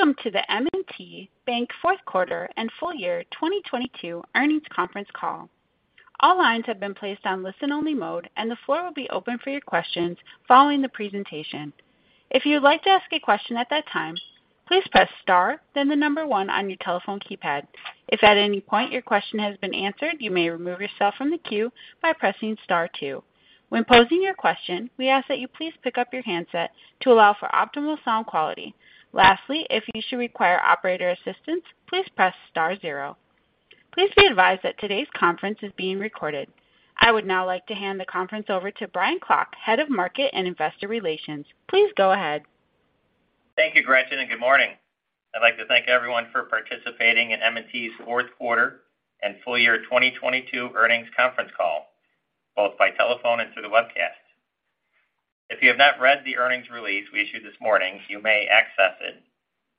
Welcome to the M&T Bank fourth quarter and full-year 2022 earnings conference call. All lines have been placed on listen-only mode. The floor will be open for your questions following the presentation. If you'd like to ask a question at that time, please press Star, then the number one on your telephone keypad. If at any point your question has been answered, you may remove yourself from the queue by pressing star two. When posing your question, we ask that you please pick up your handset to allow for optimal sound quality. Lastly, if you should require operator assistance, please press star zero. Please be advised that today's conference is being recorded. I would now like to hand the conference over to Brian Klock, Head of Market and Investor Relations. Please go ahead. Thank you, Gretchen. Good morning. I'd like to thank everyone for participating in M&T's fourth quarter and full-year 2022 earnings conference call, both by telephone and through the webcast. If you have not read the earnings release we issued this morning, you may access it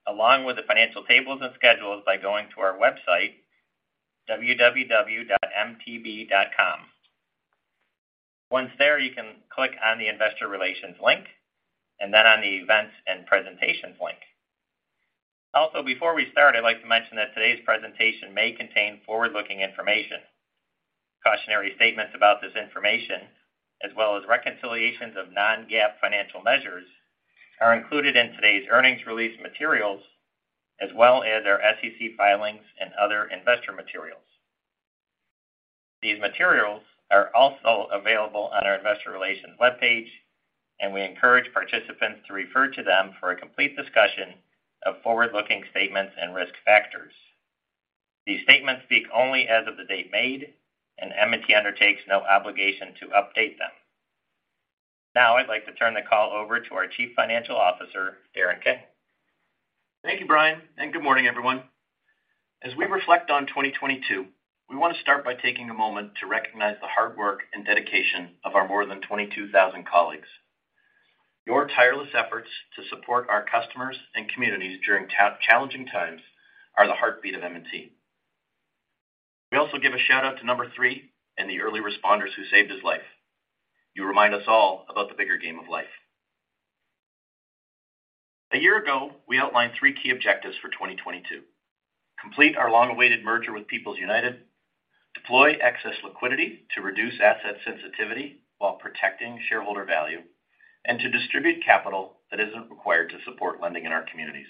along with the financial tables and schedules by going to our website, www.mtb.com. Once there, you can click on the Investor Relations link and then on the Events and Presentations link. Before we start, I'd like to mention that today's presentation may contain forward-looking information. Cautionary statements about this information, as well as reconciliations of non-GAAP financial measures, are included in today's earnings release materials, as well as our SEC filings and other investor materials. These materials are also available on our Investor Relations webpage, and we encourage participants to refer to them for a complete discussion of forward-looking statements and risk factors. These statements speak only as of the date made, and M&T undertakes no obligation to update them. Now I'd like to turn the call over to our Chief Financial Officer, Darren King. Thank you, Brian, and good morning, everyone. As we reflect on 2022, we want to start by taking a moment to recognize the hard work and dedication of our more than 22,000 colleagues. Your tireless efforts to support our customers and communities during challenging times are the heartbeat of M&T. We also give a shout-out to number three and the early responders who saved his life. You remind us all about the bigger game of life. A year ago, we outlined three key objectives for 2022. Complete our long-awaited merger with People's United, deploy excess liquidity to reduce asset sensitivity while protecting shareholder value, and to distribute capital that isn't required to support lending in our communities.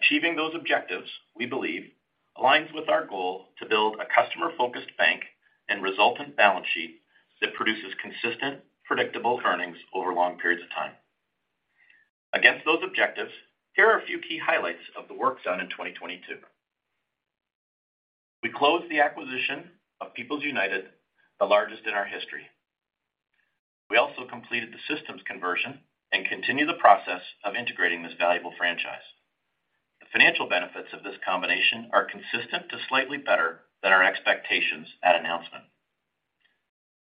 Achieving those objectives, we believe, aligns with our goal to build a customer-focused bank and resultant balance sheet that produces consistent, predictable earnings over long periods of time. Against those objectives, here are a few key highlights of the work done in 2022. We closed the acquisition of People's United, the largest in our history. We also completed the systems conversion and continue the process of integrating this valuable franchise. The financial benefits of this combination are consistent to slightly better than our expectations at announcement.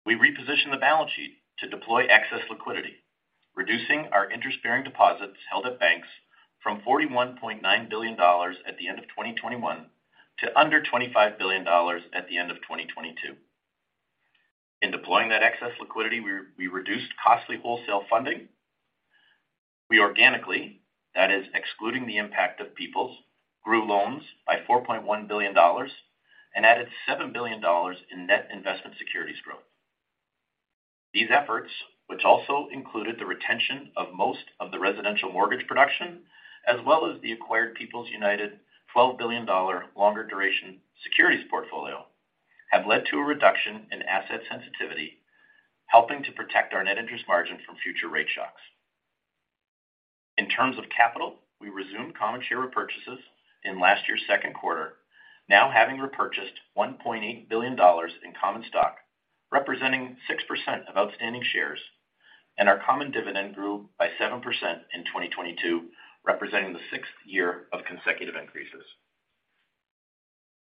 We repositioned the balance sheet to deploy excess liquidity, reducing our interest-bearing deposits held at banks from $41.9 billion at the end of 2021 to under $25 billion at the end of 2022. In deploying that excess liquidity, we reduced costly wholesale funding. We organically, that is, excluding the impact of People's, grew loans by $4.1 billion and added $7 billion in net investment securities growth. These efforts, which also included the retention of most of the residential mortgage production, as well as the acquired People's United $12 billion longer duration securities portfolio, have led to a reduction in asset sensitivity, helping to protect our net interest margin from future rate shocks. In terms of capital, we resumed common share repurchases in last year's second quarter. Now having repurchased $1.8 billion in common stock, representing 6% of outstanding shares, our common dividend grew by 7% in 2022, representing the sixth year of consecutive increases.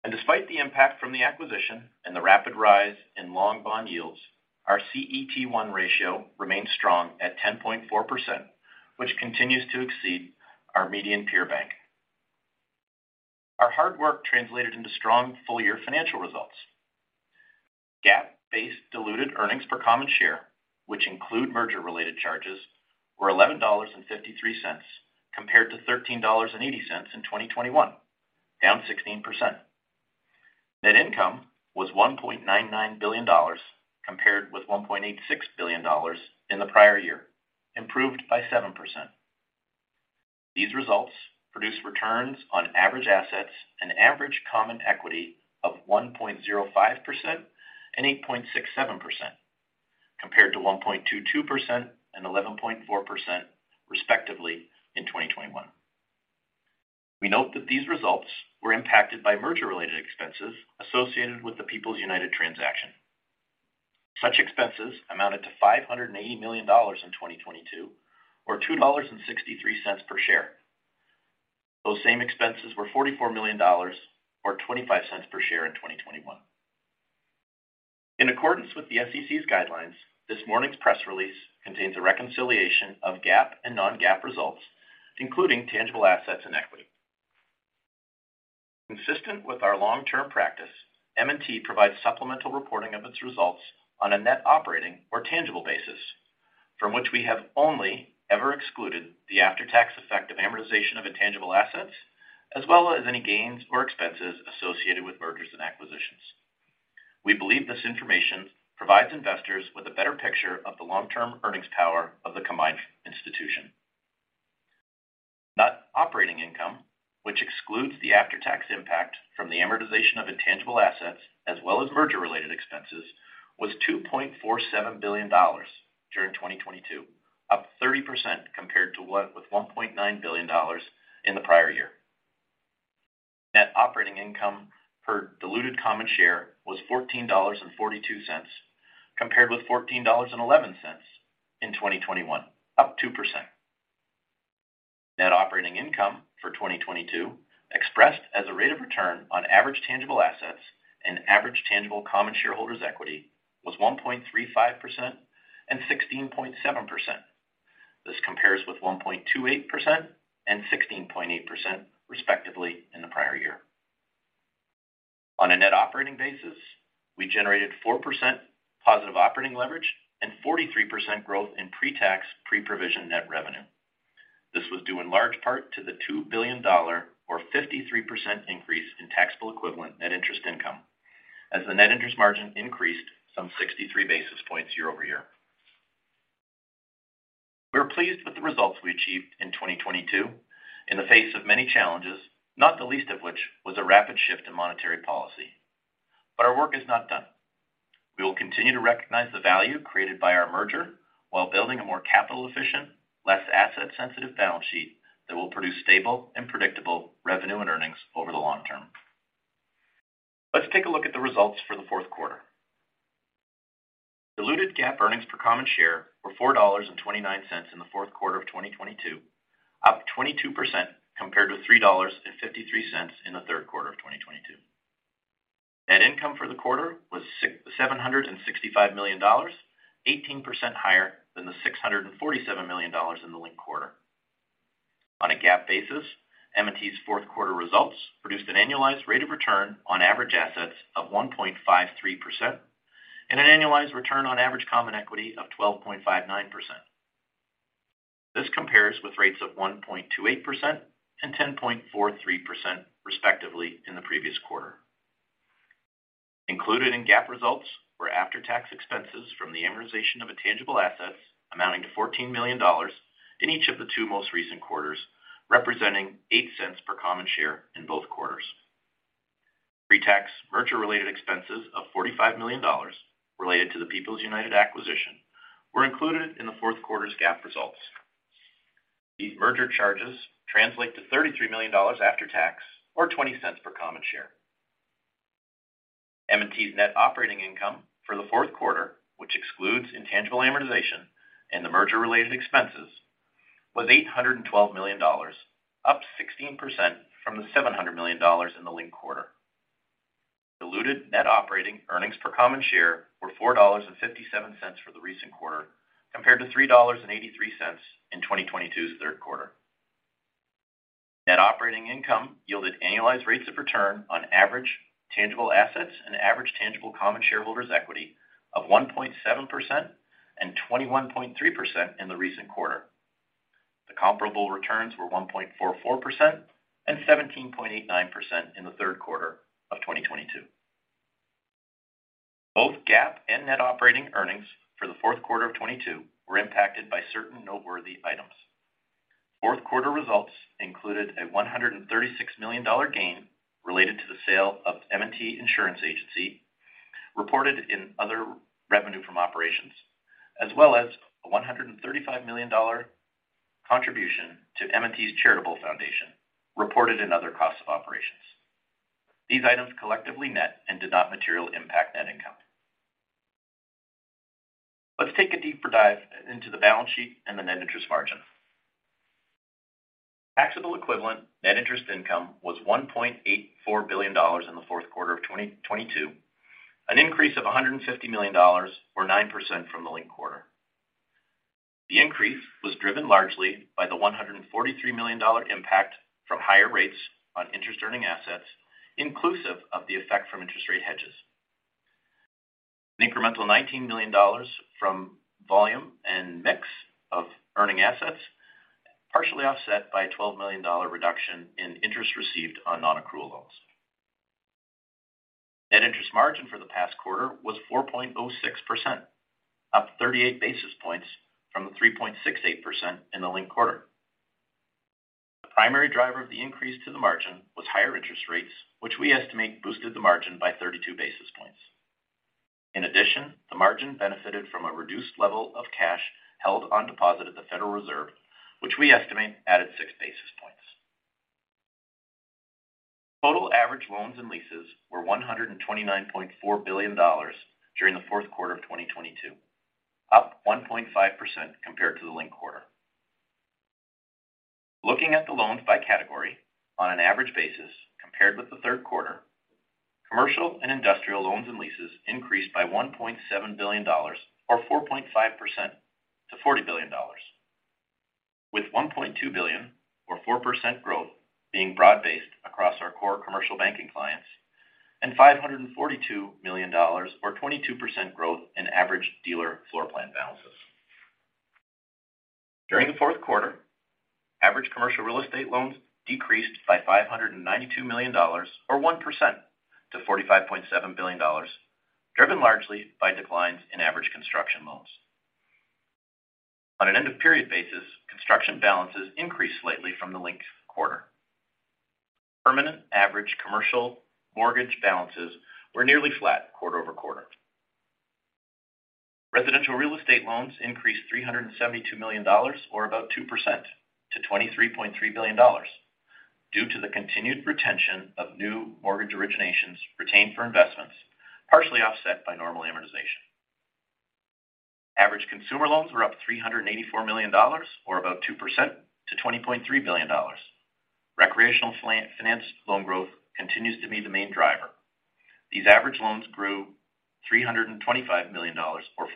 Despite the impact from the acquisition and the rapid rise in long bond yields, our CET1 ratio remains strong at 10.4%, which continues to exceed our median peer bank. Our hard work translated into strong full-year financial results. GAAP-based diluted earnings per common share, which include merger-related charges, were $11.53, compared to $13.80 in 2021, down 16%. Net income was $1.99 billion, compared with $1.86 billion in the prior year, improved by 7%. These results produce returns on average assets and average common equity of 1.05% and 8.67%, compared to 1.22% and 11.4%, respectively, in 2021. We note that these results were impacted by merger-related expenses associated with the People's United transaction. Such expenses amounted to $580 million in 2022 or $2.63 per share. Those same expenses were $44 million or $0.25 per share in 2021. In accordance with the SEC's guidelines, this morning's press release contains a reconciliation of GAAP and non-GAAP results, including tangible assets and equity. With our long-term practice, M&T provides supplemental reporting of its results on a Net operating or tangible basis from which we have only ever excluded the after-tax effect of amortization of intangible assets, as well as any gains or expenses associated with mergers and acquisitions. We believe this information provides investors with a better picture of the long-term earnings power of the combined institution. Net operating income, which excludes the after-tax impact from the amortization of intangible assets as well as merger related expenses was $2.47 billion during 2022, up 30% compared to what with $1.9 billion in the prior year. Net operating income per diluted common share was $14.42, compared with $14.11 in 2021, up 2%. Net operating income for 2022 expressed as a rate of return on average tangible assets and average tangible common shareholders equity was 1.35% and 16.7%. This compares with 1.28% and 16.8% respectively in the prior year. On a net operating basis, we generated 4% positive operating leverage and 43% growth in pre-tax, pre-provision net revenue. This was due in large part to the $2 billion or 53% increase in taxable equivalent net interest income. As the net interest margin increased some 63 basis points year-over-year. We are pleased with the results we achieved in 2022 in the face of many challenges, not the least of which was a rapid shift in monetary policy. Our work is not done. We will continue to recognize the value created by our merger while building a more capital efficient, less asset sensitive balance sheet that will produce stable and predictable revenue and earnings over the long term. Let's take a look at the results for the fourth quarter. Diluted GAAP earnings per common share were $4.29 in the fourth quarter of 2022, up 22% compared with $3.53 in the third quarter of 2022. Net income for the quarter was $765 million, 18% higher than the $647 million in the linked quarter. On a GAAP basis, M&T's fourth quarter results produced an annualized rate of return on average assets of 1.53% and an annualized return on average common equity of 12.59%. This compares with rates of 1.28% and 10.43%, respectively in the previous quarter. Included in GAAP results were after-tax expenses from the amortization of intangible assets amounting to $14 million in each of the two most recent quarters, representing $0.08 per common share in both quarters. Pre-tax merger related expenses of $45 million related to the People's United acquisition were included in the fourth quarter's GAAP results. These merger charges translate to $33 million after tax or $0.20 per common share. M&T's net operating income for the fourth quarter, which excludes intangible amortization and the merger related expenses, was $812 million, up 16% from the $700 million in the linked quarter. Diluted net operating earnings per common share were $4.57 for the recent quarter, compared to $3.83 in 2022's third quarter. Net operating income yielded annualized rates of return on average tangible assets and average tangible common shareholders equity of 1.7% and 21.3% in the recent quarter. The comparable returns were 1.44% and 17.89% in the third quarter of 2022. Both GAAP and net operating earnings for the fourth quarter of 2022 were impacted by certain noteworthy items. Fourth quarter results included a $136 million gain related to the sale of M&T Insurance Agency, reported in other revenue from operations, as well as a $135 million contribution to M&T's charitable foundation, reported in other costs of operations. These items collectively met and did not materially impact net income. Let's take a deeper dive into the balance sheet and the net interest margin. Taxable equivalent net interest income was $1.84 billion in the fourth quarter of 2022, an increase of $150 million or 9% from the linked quarter. The increase was driven largely by the $143 million impact from higher rates on interest earning assets, inclusive of the effect from interest rate hedges. An incremental $19 million from volume and mix of earning assets, partially offset by a $12 million reduction in interest received on non-accrual loans. Net interest margin for the past quarter was 4.06%, up 38 basis points from the 3.68% in the linked quarter. The primary driver of the increase to the margin was higher interest rates, which we estimate boosted the margin by 32 basis points. In addition, the margin benefited from a reduced level of cash held on deposit at the Federal Reserve, which we estimate added 6 basis points. Total average loans and leases were $129.4 billion during the fourth quarter of 2022, up 1.5% compared to the linked quarter. Looking at the loans by category on an average basis compared with the third quarter, commercial and industrial loans and leases increased by $1.7 billion or 4.5% to $40 billion. With $1.2 billion or 4% growth being broad based across our core commercial banking clients and $542 million or 22% growth in average dealer floor plan balances. During the fourth quarter, average commercial real estate loans decreased by $592 million or 1% to $45.7 billion, driven largely by declines in average construction loans. On an end of period basis, construction balances increased slightly from the linked quarter. Permanent average commercial mortgage balances were nearly flat quarter-over-quarter. Residential real estate loans increased $372 million or about 2% to $23.3 billion due to the continued retention of new mortgage originations retained for investments, partially offset by normal amortization. Average consumer loans were up $384 million or about 2% to $23.3 billion. Recreational finance loan growth continues to be the main driver. These average loans grew $325 million or 4%.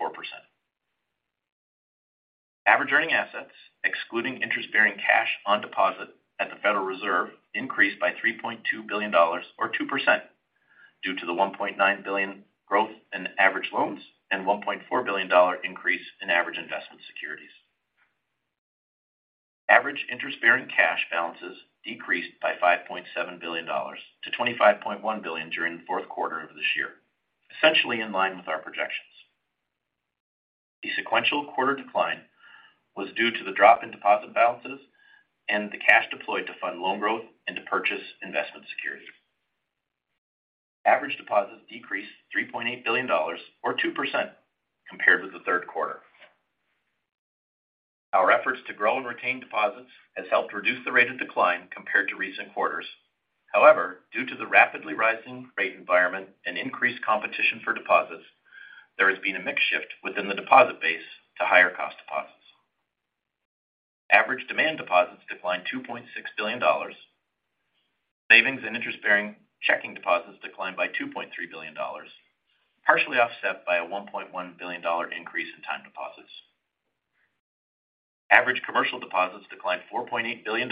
Average earning assets, excluding interest-bearing cash on deposit at the Federal Reserve, increased by $3.2 billion or 2% due to the $1.9 billion growth in average loans and $1.4 billion increase in average investment securities. Average interest-bearing cash balances decreased by $5.7 billion to $25.1 billion during the fourth quarter of this year, essentially in line with our projections. The sequential quarter decline was due to the drop in deposit balances and the cash deployed to fund loan growth and to purchase investment securities. Average deposits decreased $3.8 billion or 2% compared with the third quarter. Our efforts to grow and retain deposits has helped reduce the rate of decline compared to recent quarters. However, due to the rapidly rising rate environment and increased competition for deposits, there has been a mix shift within the deposit base to higher cost deposits. Average demand deposits declined $2.6 billion. Savings and interest-bearing checking deposits declined by $2.3 billion, partially offset by a $1.1 billion increase in time deposits. Average commercial deposits declined $4.8 billion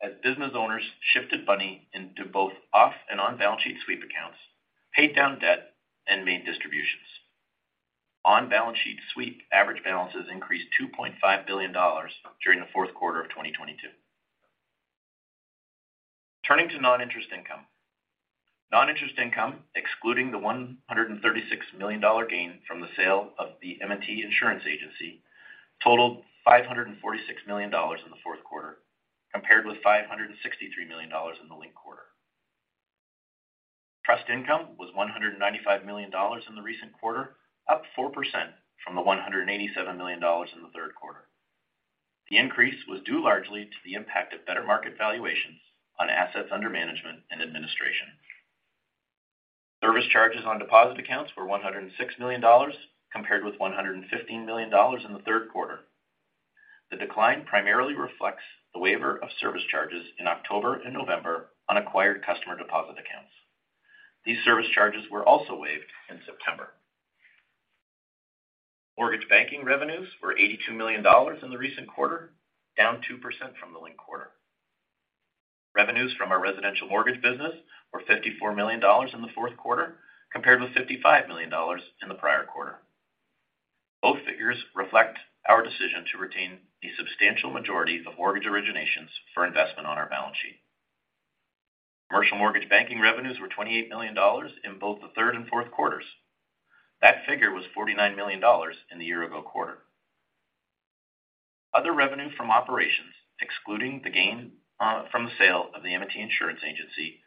as business owners shifted money into both off and on balance sheet sweep accounts, paid down debt and made distributions. On balance sheet sweep average balances increased $2.5 billion during the fourth quarter of 2022. Turning to non-interest income. Non-interest income, excluding the $136 million gain from the sale of the M&T Insurance Agency, totaled $546 million in the fourth quarter, compared with $563 million in the linked quarter. Trust income was $195 million in the recent quarter, up 4% from the $187 million in the third quarter. The increase was due largely to the impact of better market valuations on assets under management and administration. Service charges on deposit accounts were $106 million compared with $115 million in the third quarter. The decline primarily reflects the waiver of service charges in October and November on acquired customer deposit accounts. These service charges were also waived in September. Mortgage banking revenues were $82 million in the recent quarter, down 2% from the linked quarter. Revenues from our residential mortgage business were $54 million in the fourth quarter compared with $55 million in the prior quarter. Both figures reflect our decision to retain the substantial majority of mortgage originations for investment on our balance sheet. Commercial mortgage banking revenues were $28 million in both the third and fourth quarters. That figure was $49 million in the year ago quarter. Other revenue from operations, excluding the gain from the sale of the M&T Insurance Agency,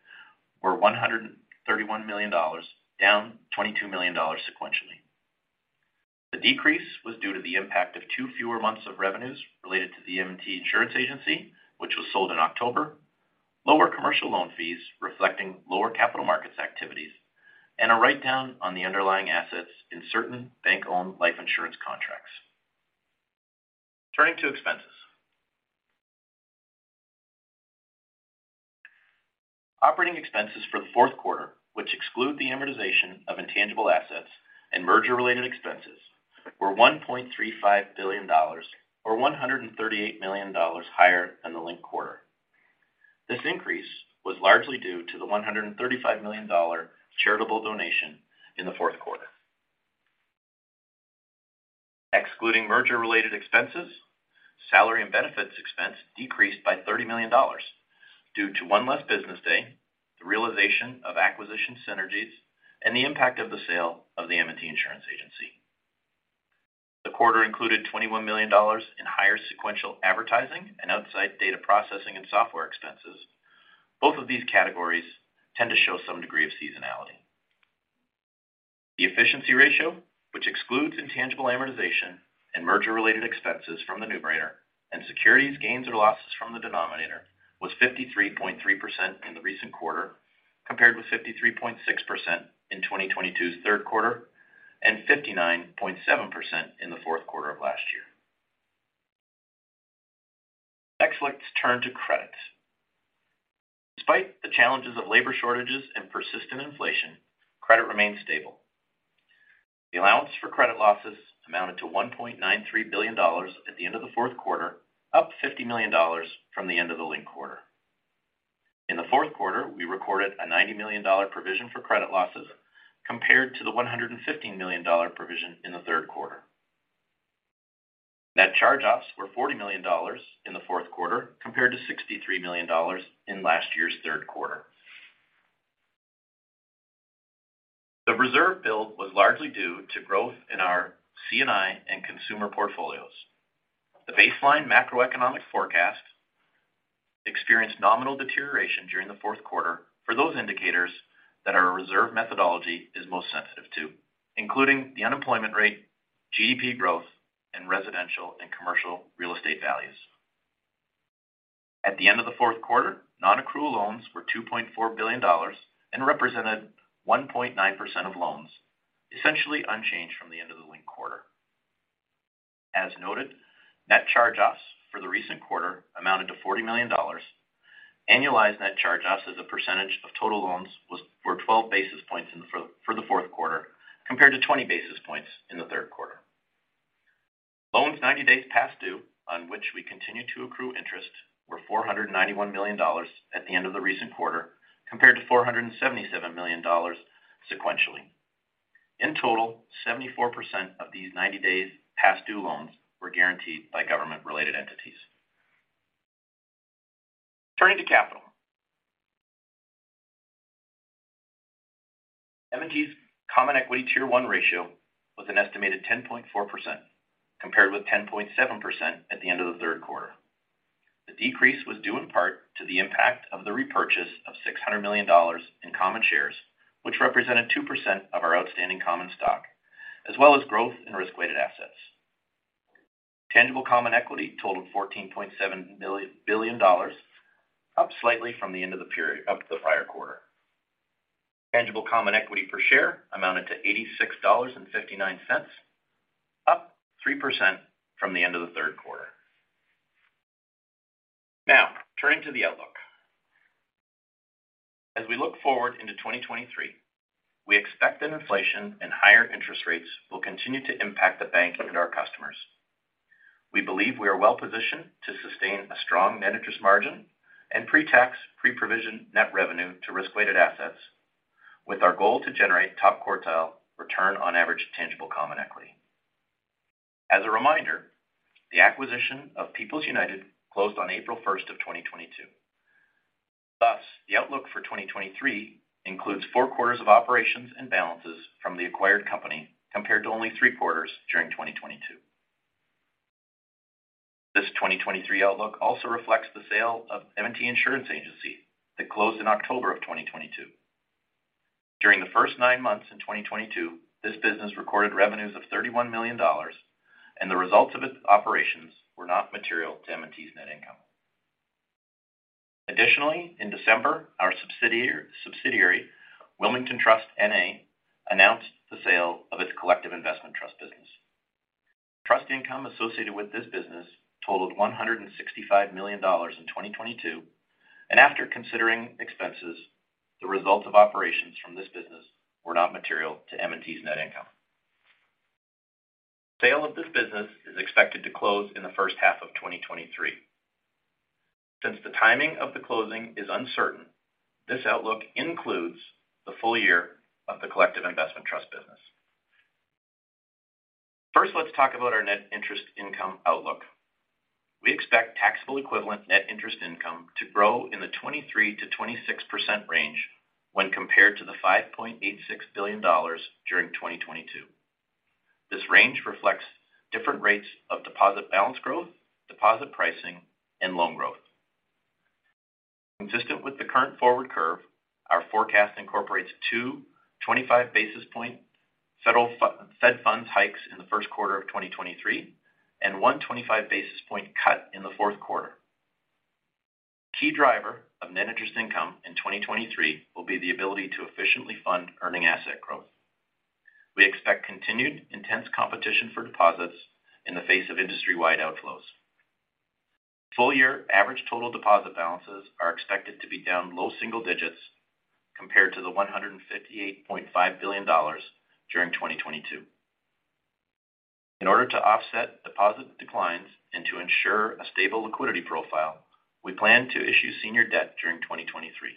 were $131 million, down $22 million sequentially. The decrease was due to the impact of two. Fewer months of revenues related to the M&T Insurance Agency, which was sold in October. Lower commercial loan fees reflecting lower capital markets activities, and a write-down on the underlying assets in certain bank owned life insurance contracts. Turning to expenses. Operating expenses for the fourth quarter, which exclude the amortization of intangible assets and merger related expenses, were $1.35 billion or $138 million higher than the linked quarter. This increase was largely due to the $135 million charitable donation in the fourth quarter. Excluding merger related expenses, salary and benefits expense decreased by $30 million due to 1 less business day, the realization of acquisition synergies and the impact of the sale of the M&T Insurance Agency. The quarter included $21 million in higher sequential advertising and outside data processing and software expenses. Both of these categories tend to show some degree of seasonality. The efficiency ratio, which excludes intangible amortization and merger related expenses from the numerator and securities gains or losses from the denominator, was 53.3% in the recent quarter, compared with 53.6% in 2022's third quarter and 59.7% in the fourth quarter of last year. Next, let's turn to credits. Despite the challenges of labor shortages and persistent inflation, credit remains stable. The allowance for credit losses amounted to $1.93 billion at the end of the fourth quarter, up $50 million from the end of the linked quarter. In the fourth quarter, we recorded a $90 million provision for credit losses compared to the $115 million provision in the third quarter. Net charge-offs were $40 million in the fourth quarter compared to $63 million in last year's third quarter. The reserve build was largely due to growth in our C&I and consumer portfolios. The baseline macroeconomic forecast experienced nominal deterioration during the fourth quarter for those indicators that our reserve methodology is most sensitive to, including the unemployment rate, GDP growth, and residential and commercial real estate values. At the end of the fourth quarter, non-accrual loans were $2.4 billion and represented 1.9% of loans, essentially unchanged from the end of the linked quarter. As noted, net charge-offs for the recent quarter amounted to $40 million. Annualized net charge-offs as a percentage of total loans were 12 basis points for the fourth quarter compared to 20 basis points in the third quarter. Loans 90 days past due, on which we continue to accrue interest, were $491 million at the end of the recent quarter compared to $477 million sequentially. In total, 74% of these 90 days past due loans were guaranteed by government-related entities. Turning to capital. M&T's Common Equity Tier 1 ratio was an estimated 10.4%, compared with 10.7% at the end of the third quarter. The decrease was due in part to the impact of the repurchase of $600 million in common shares, which represented 2% of our outstanding common stock, as well as growth in risk-weighted assets. Tangible common equity totaled $14.7 billion, up slightly from the end of the prior quarter. Tangible common equity per share amounted to $86.59, up 3% from the end of the third quarter. Turning to the outlook. As we look forward into 2023, we expect that inflation and higher interest rates will continue to impact the bank and our customers. We believe we are well positioned to sustain a strong net interest margin and pre-tax, pre-provision net revenue to risk-weighted assets, with our goal to generate top-quartile return on average tangible common equity. As a reminder, the acquisition of People's United closed on April first of 2022. Thus, the outlook for 2023 includes four quarters of operations and balances from the acquired company compared to only three quarters during 2022. This 2023 outlook also reflects the sale of M&T Insurance Agency that closed in October of 2022. During the first nine months in 2022, this business recorded revenues of $31 million, and the results of its operations were not material to M&T's net income. Additionally, in December, our subsidiary, Wilmington Trust N.A., announced the sale of its collective investment trust business. Trust income associated with this business totaled $165 million in 2022, and after considering expenses, the results of operations from this business were not material to M&T's net income. The sale of this business is expected to close in the first half of 2023. Since the timing of the closing is uncertain, this outlook includes the full-year of the Collective Investment Trust business. First, let's talk about our net interest income outlook. We expect taxable equivalent net interest income to grow in the 23%-26% range when compared to the $5.86 billion during 2022. This range reflects different rates of deposit balance growth, deposit pricing, and loan growth. Consistent with the current forward curve, our forecast incorporates 225 basis point Fed Funds hikes in the firt quarter of 2023 and 125 basis point cut in the 4th quarter. A key driver of net interest income in 2023 will be the ability to efficiently fund earning asset growth. We expect continued intense competition for deposits in the face of industry-wide outflows. full-year average total deposit balances are expected to be down low single digits compared to the $158.5 billion during 2022. In order to offset deposit declines and to ensure a stable liquidity profile, we plan to issue senior debt during 2023.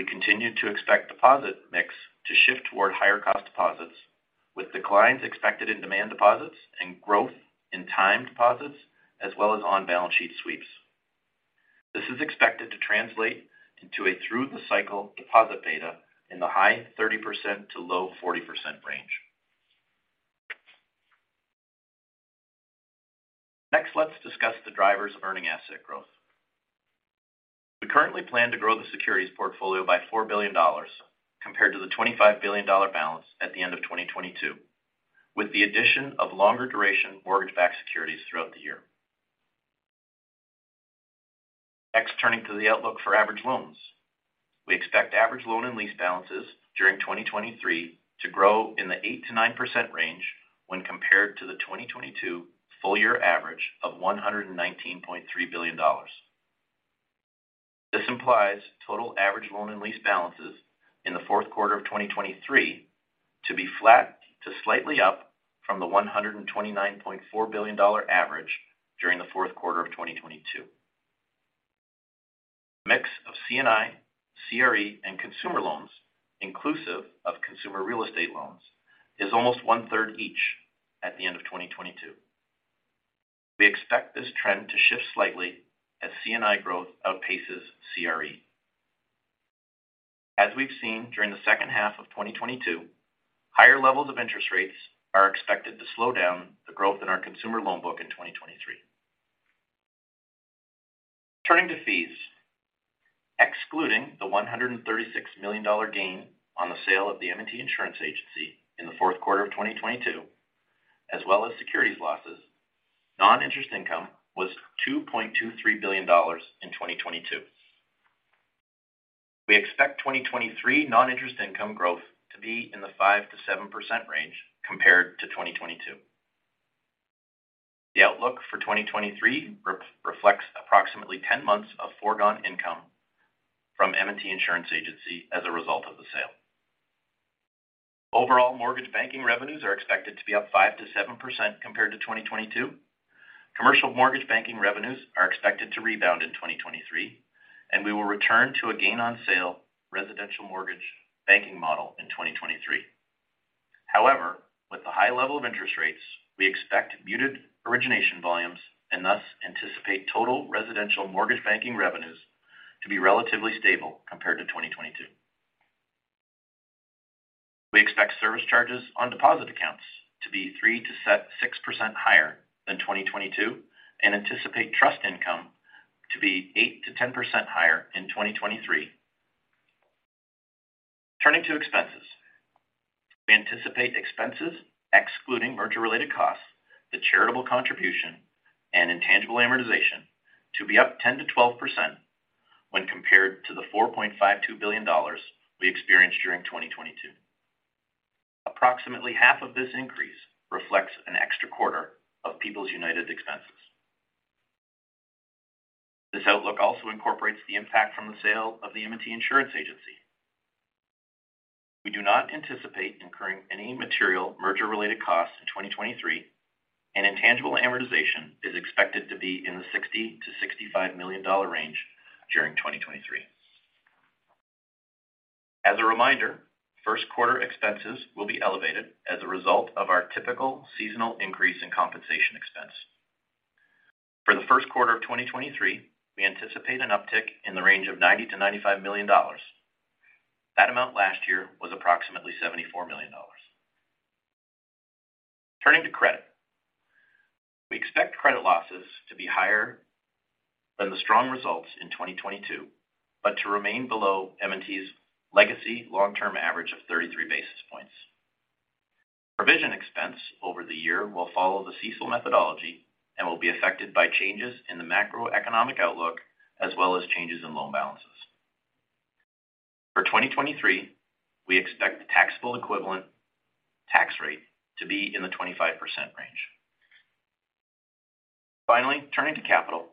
We continue to expect deposit mix to shift toward higher cost deposits, with declines expected in demand deposits and growth in time deposits, as well as on-balance sheet sweeps. This is expected to translate into a through-the-cycle deposit beta in the high 30% to low 40% range. Let's discuss the drivers of earning asset growth. We currently plan to grow the securities portfolio by $4 billion compared to the $25 billion balance at the end of 2022, with the addition of longer duration mortgage-backed securities throughout the year. Turning to the outlook for average loans. We expect average loan and lease balances during 2023 to grow in the 8%-9% range when compared to the 2022 full-year average of $119.3 billion. This implies total average loan and lease balances in the fourth quarter of 2023 to be flat to slightly up from the $129.4 billion average during the fourth quarter of 2022. Mix of C&I, CRE, and consumer loans inclusive of consumer real estate loans is almost 1/3 each at the end of 2022. We expect this trend to shift slightly as C&I growth outpaces CRE. As we've seen during the second half of 2022, higher levels of interest rates are expected to slow down the growth in our consumer loan book in 2023. Turning to fees. Excluding the $136 million gain on the sale of the M&T Insurance Agency in the fou.th quarter of 2022, as well as securities losses, non-interest income was $2.23 billion in 2022. We expect 2023 non-interest income growth to be in the 5%-7% range compared to 2022. The outlook for 2023 re-reflects approximately 10 months of foregone income from M&T Insurance Agency as a result of the sale. Overall mortgage banking revenues are expected to be up 5%-7% compared to 2022. Commercial mortgage banking revenues are expected to rebound in 2023, and we will return to a gain on sale residential mortgage banking model in 2023. However, with the high level of interest rates, we expect muted origination volumes and thus anticipate total residential mortgage banking revenues to be relatively stable compared to 2022. We expect service charges on deposit accounts to be 3%-6% higher than 2022 and anticipate trust income to be 8%-10% higher in 2023. Turning to expenses. We anticipate expenses excluding merger-related costs, the charitable contribution, and intangible amortization to be up 10%-12% when compared to the $4.52 billion we experienced during 2022. Approximately half of this increase reflects an extra quarter of People's United expenses. This outlook also incorporates the impact from the sale of the M&T Insurance Agency. We do not anticipate incurring any material merger-related costs in 2023, and intangible amortization is expected to be in the $60 million-$65 million range during 2023. As a reminder, first quarter expenses will be elevated as a result of our typical seasonal increase in compensation expense. For the first quarter of 2023, we anticipate an uptick in the range of $90 million-$95 million. That amount last year was approximately $74 million. Turning to credit. We expect credit losses to be higher than the strong results in 2022, but to remain below M&T's legacy long-term average of 33 basis points. Provision expense over the year will follow the CECL methodology and will be affected by changes in the macroeconomic outlook as well as changes in loan balances. For 2023, we expect the taxable equivalent tax rate to be in the 25% range. Turning to capital.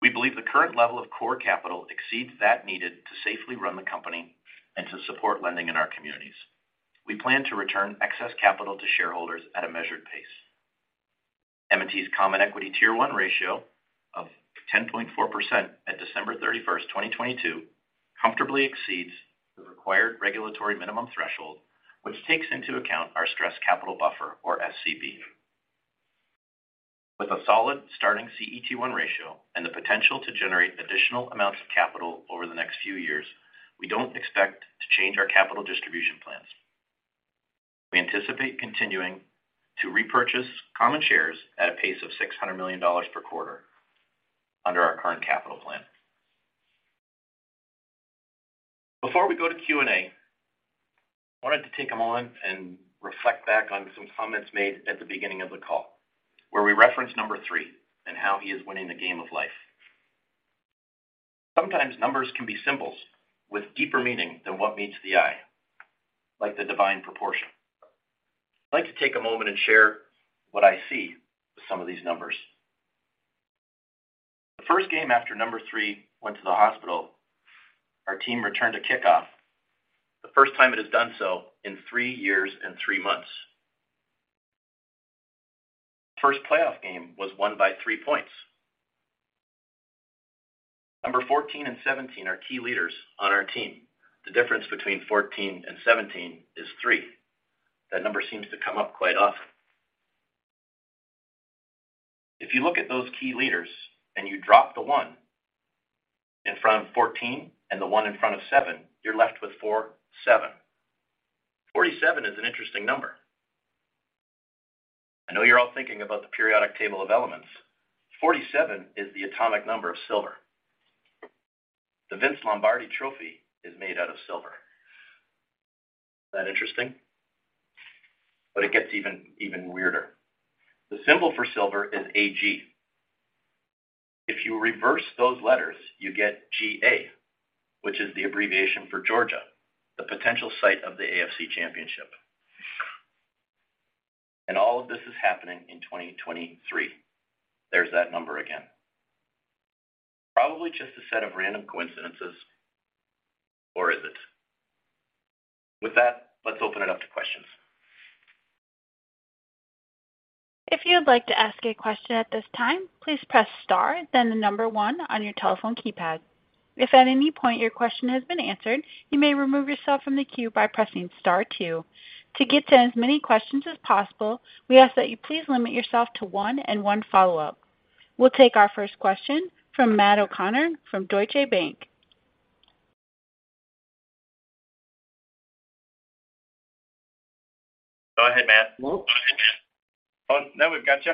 We believe the current level of core capital exceeds that needed to safely run the company and to support lending in our communities. We plan to return excess capital to shareholders at a measured pace. M&T's common equity tier one ratio of 10.4% at December 31st, 2022 comfortably exceeds the required regulatory minimum threshold, which takes into account our stress capital buffer, or SCB. With a solid starting CET1 ratio and the potential to generate additional amounts of capital over the next few years, we don't expect to change our capital distribution plans. We anticipate continuing to repurchase common shares at a pace of $600 million per quarter under our current capital plan. Before we go to Q&A, I wanted to take a moment and reflect back on some comments made at the beginning of the call where we referenced number three and how he is winning the game of life. Sometimes numbers can be symbols with deeper meaning than what meets the eye, like the divine proportion. I'd like to take a moment and share what I see with some of these numbers. The first game after number three went to the hospital, our team returned a kickoff, the first time it has done so in three years and three months. First playoff game was won by three points. Number 14 and 17 are key leaders on our team. The difference between 14 and 17 is three. That number seems to come up quite often. If you look at those key leaders and you drop the one in front of 14 and the one in front of 7, you're left with 47. 47 is an interesting number. I know you're all thinking about the periodic table of elements. 47 is the atomic number of silver. The Vince Lombardi Trophy is made out of silver. That interesting? It gets even weirder. The symbol for silver is AG. If you reverse those letters, you get GA, which is the abbreviation for Georgia, the potential site of the AFC Championship. All of this is happening in 2023. There's that number again. Probably just a set of random coincidences. Is it? With that, let's open it up to questions. If you'd like to ask a question at this time, please press star then the number one on your telephone keypad. If at any point your question has been answered, you may remove yourself from the queue by pressing star two. To get to as many questions as possible, we ask that you please limit yourself to 1 and 1 follow-up. We'll take our first question from Matt O'Connor from Deutsche Bank. Go ahead, Matt. Oh, now we've got you.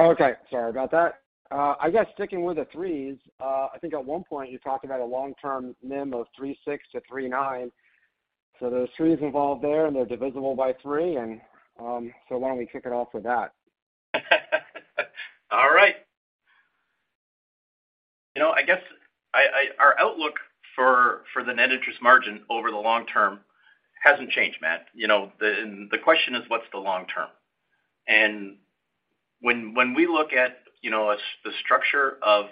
Okay. Sorry about that. I guess sticking with the threes, I think at one point you talked about a long-term NIM of 3.6%-3.9%. There's threes involved there, and they're divisible by three. Why don't we kick it off with that? All right. You know, I guess I, our outlook for the net interest margin over the long term hasn't changed, Matt. You know, the question is what's the long term? When we look at, you know, the structure of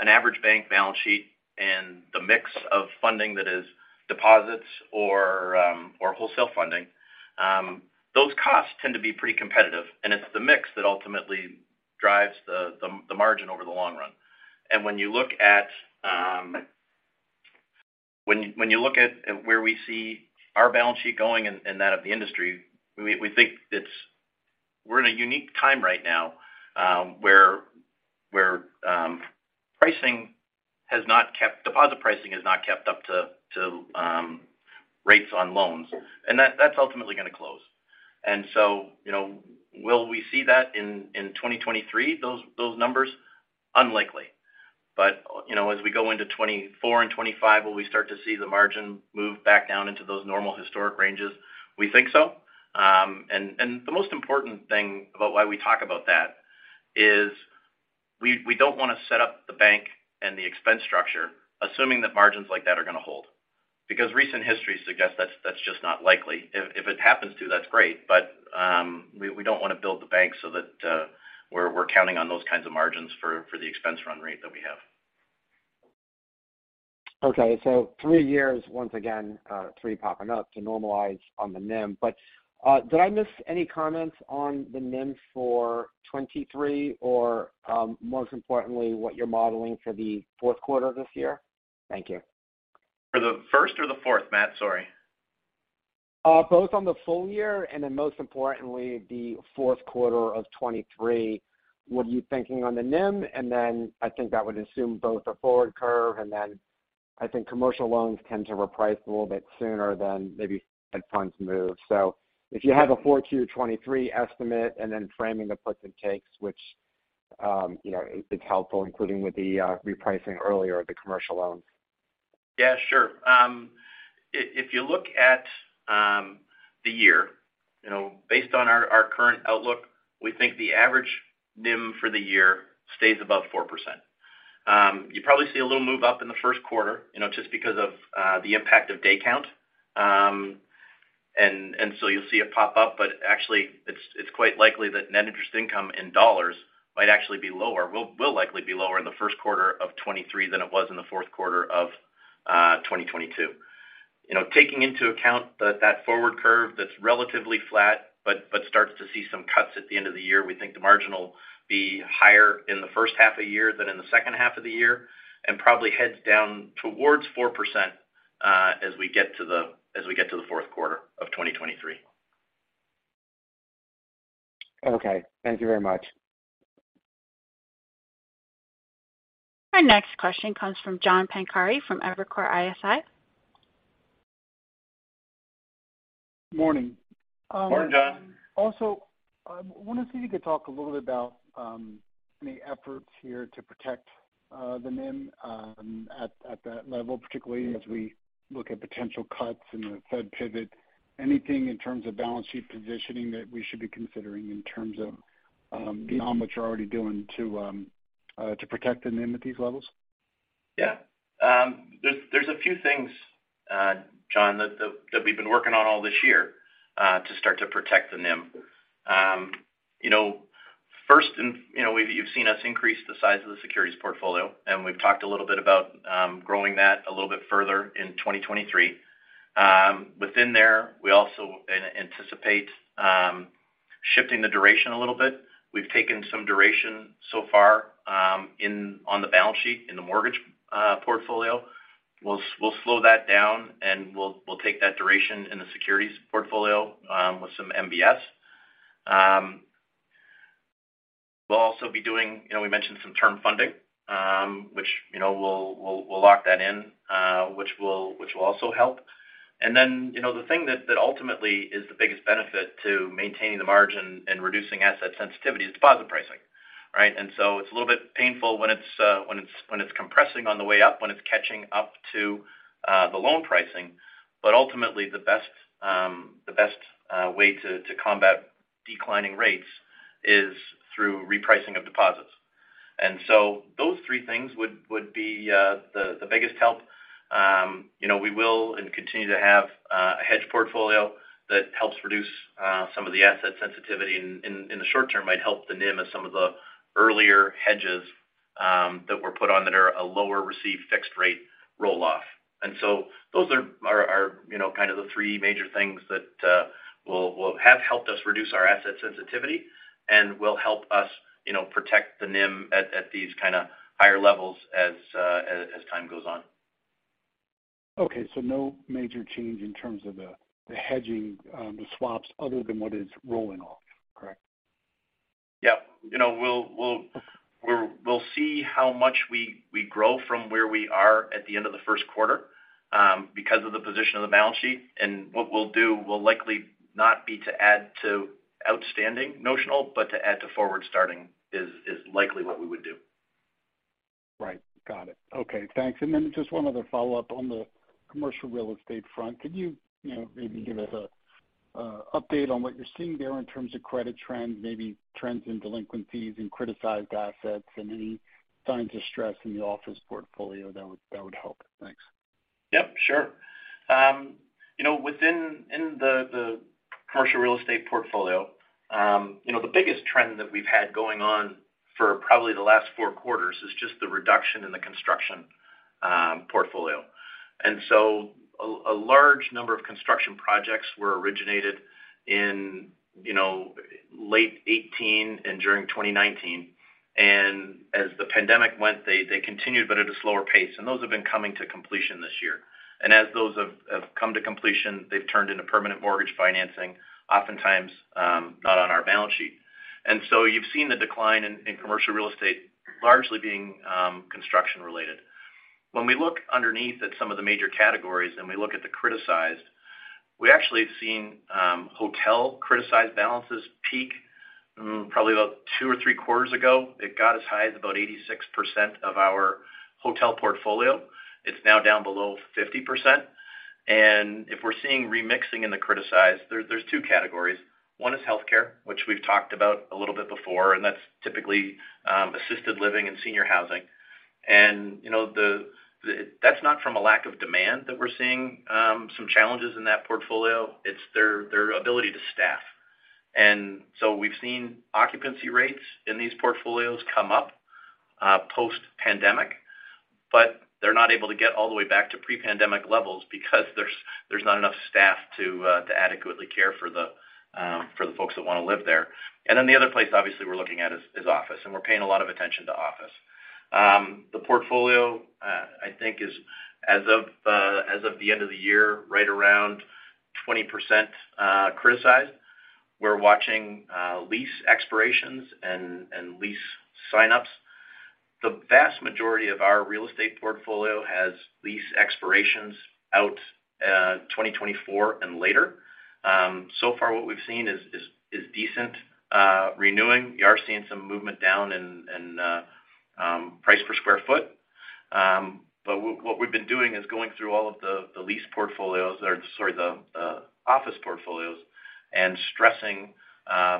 an average bank balance sheet and the mix of funding that is deposits or wholesale funding, those costs tend to be pretty competitive. It's the mix that ultimately drives the margin over the long run. When you look at where we see our balance sheet going and that of the industry, we think we're in a unique time right now, where deposit pricing has not kept up to rates on loans. That's ultimately going to close. you know, will we see that in 2023, those numbers? Unlikely. you know, as we go into 2024 and 2025, will we start to see the margin move back down into those normal historic ranges? We think so. the most important thing about why we talk about that is we don't want to set up the bank and the expense structure assuming that margins like that are going to hold. Recent history suggests that's just not likely. If it happens to, that's great, but we don't want to build the bank so that we're counting on those kinds of margins for the expense run rate that we have. Okay. Three years, once again, three popping up to normalize on the NIM. Did I miss any comments on the NIM for 2023 or, most importantly, what you're modeling for the fourth quarter this year? Thank you. For the first or the fourth, Matt? Sorry. Both on the full-year, and then most importantly, the fourth quarter of 2023. What are you thinking on the NIM? I think that would assume both a forward curve, and then I think commercial loans tend to reprice a little bit sooner than maybe Fed funds move. If you have a 4Q 2023 estimate and then framing the puts and takes, which, you know, is helpful, including with the repricing earlier of the commercial loans. Yeah, sure. If you look at the year, you know, based on our current outlook, we think the average NIM for the year stays above 4%. You probably see a little move up in the first quarter, you know, just because of the impact of day count. You'll see it pop up, but actually it's quite likely that Net Interest Income in dollars might actually be lower, will likely be lower in the first quarter of 2023 than it was in the fourth quarter of 2022. You know, taking into account that forward curve that's relatively flat, but starts to see some cuts at the end of the year, we think the margin will be higher in the first half of the year than in the second half of the year, and probably heads down towards 4%, as we get to the fourth quarter of 2023. Okay. Thank you very much. Our next question comes from John Pancari from Evercore ISI. Morning. Morning, John. Also, I wanted to see if you could talk a little bit about any efforts here to protect the NIM at that level, particularly as we look at potential cuts in the Fed pivot. Anything in terms of balance sheet positioning that we should be considering in terms of beyond what you're already doing to protect the NIM at these levels? Yeah. There's a few things, John, that we've been working on all this year to start to protect the NIM. You know, you've seen us increase the size of the securities portfolio, and we've talked a little bit about growing that a little bit further in 2023. Within there, we also anticipate shifting the duration a little bit. We've taken some duration so far on the balance sheet in the mortgage portfolio. We'll slow that down, and we'll take that duration in the securities portfolio with some MBS. We'll also be doing, you know, we mentioned some term funding, which, you know, we'll lock that in, which will also help. You know, the thing that ultimately is the biggest benefit to maintaining the margin and reducing asset sensitivity is deposit pricing. Right. So it's a little bit painful when it's compressing on the way up, when it's catching up to the loan pricing. Ultimately the best way to combat declining rates is through repricing of deposits. Those three things would be the biggest help. You know, we will and continue to have a hedge portfolio that helps reduce some of the asset sensitivity in the short term, might help the NIM as some of the earlier hedges that were put on that are a lower received fixed rate roll-off. Those are, you know, kind of the three major things that will have helped us reduce our asset sensitivity and will help us, you know, protect the NIM at these kind of higher levels as time goes on. Okay. No major change in terms of the hedging, the swaps other than what is rolling off. Correct? Yeah. You know, we'll see how much we grow from where we are at the end of the first quarter, because of the position of the balance sheet. What we'll do will likely not be to add to outstanding notional, but to add to forward starting is likely what we would do. Right. Got it. Okay. Thanks. Just one other follow-up on the commercial real estate front. Can you know, maybe give us a update on what you're seeing there in terms of credit trends, maybe trends in delinquencies and criticized assets, and any signs of stress in the office portfolio that would help? Thanks. Yep, sure. You know, within, in the commercial real estate portfolio, you know, the biggest trend that we've had going on for probably the last four quarters is just the reduction in the construction portfolio. A large number of construction projects were originated in, you know, late 2018 and during 2019. As the pandemic went, they continued, but at a slower pace. Those have been coming to completion this year. As those have come to completion, they've turned into permanent mortgage financing, oftentimes not on our balance sheet. You've seen the decline in commercial real estate largely being construction related. When we look underneath at some of the major categories and we look at the criticized, we actually have seen, hotel criticized balances peak, probably about 86% of our hotel portfolio. It's now down below 50%. If we're seeing remixing in the criticized, there's two categories. One is healthcare, which we've talked about a little bit before, and that's typically, assisted living and senior housing. You know, that's not from a lack of demand that we're seeing, some challenges in that portfolio. It's their ability to staff. We've seen occupancy rates in these portfolios come up post-pandemic, but they're not able to get all the way back to pre-pandemic levels because there's not enough staff to adequately care for the folks that want to live there. The other place obviously we're looking at is office, and we're paying a lot of attention to office. The portfolio, I think is as of the end of the year, right around 20% criticized. We're watching lease expirations and lease sign-ups. The vast majority of our real estate portfolio has lease expirations out 2024 and later. So far what we've seen is decent renewing. We are seeing some movement down in price per square foot. What we've been doing is going through all of the lease portfolios or sorry, the office portfolios and stressing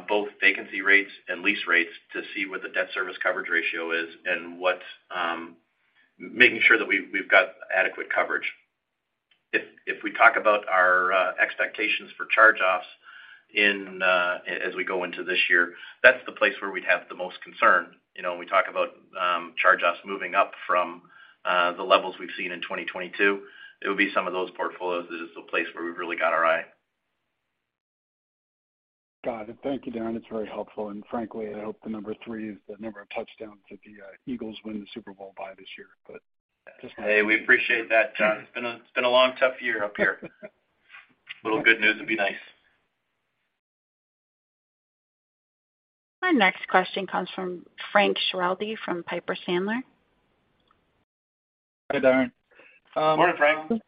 both vacancy rates and lease rates to see what the debt service coverage ratio is and what's making sure that we've got adequate coverage. If we talk about our expectations for charge-offs in as we go into this year, that's the place where we'd have the most concern. You know, when we talk about charge-offs moving up from the levels we've seen in 2022, it would be some of those portfolios is the place where we've really got our eye. Got it. Thank you, Darren. It's very helpful. Frankly, I hope the number three is the number of touchdowns that the Eagles win the Super Bowl by this year. Hey, we appreciate that, John. It's been a long, tough year up here. A little good news would be nice. Our next question comes from Frank Schiraldi from Piper Sandler. Hi, Darren. Morning, Frank.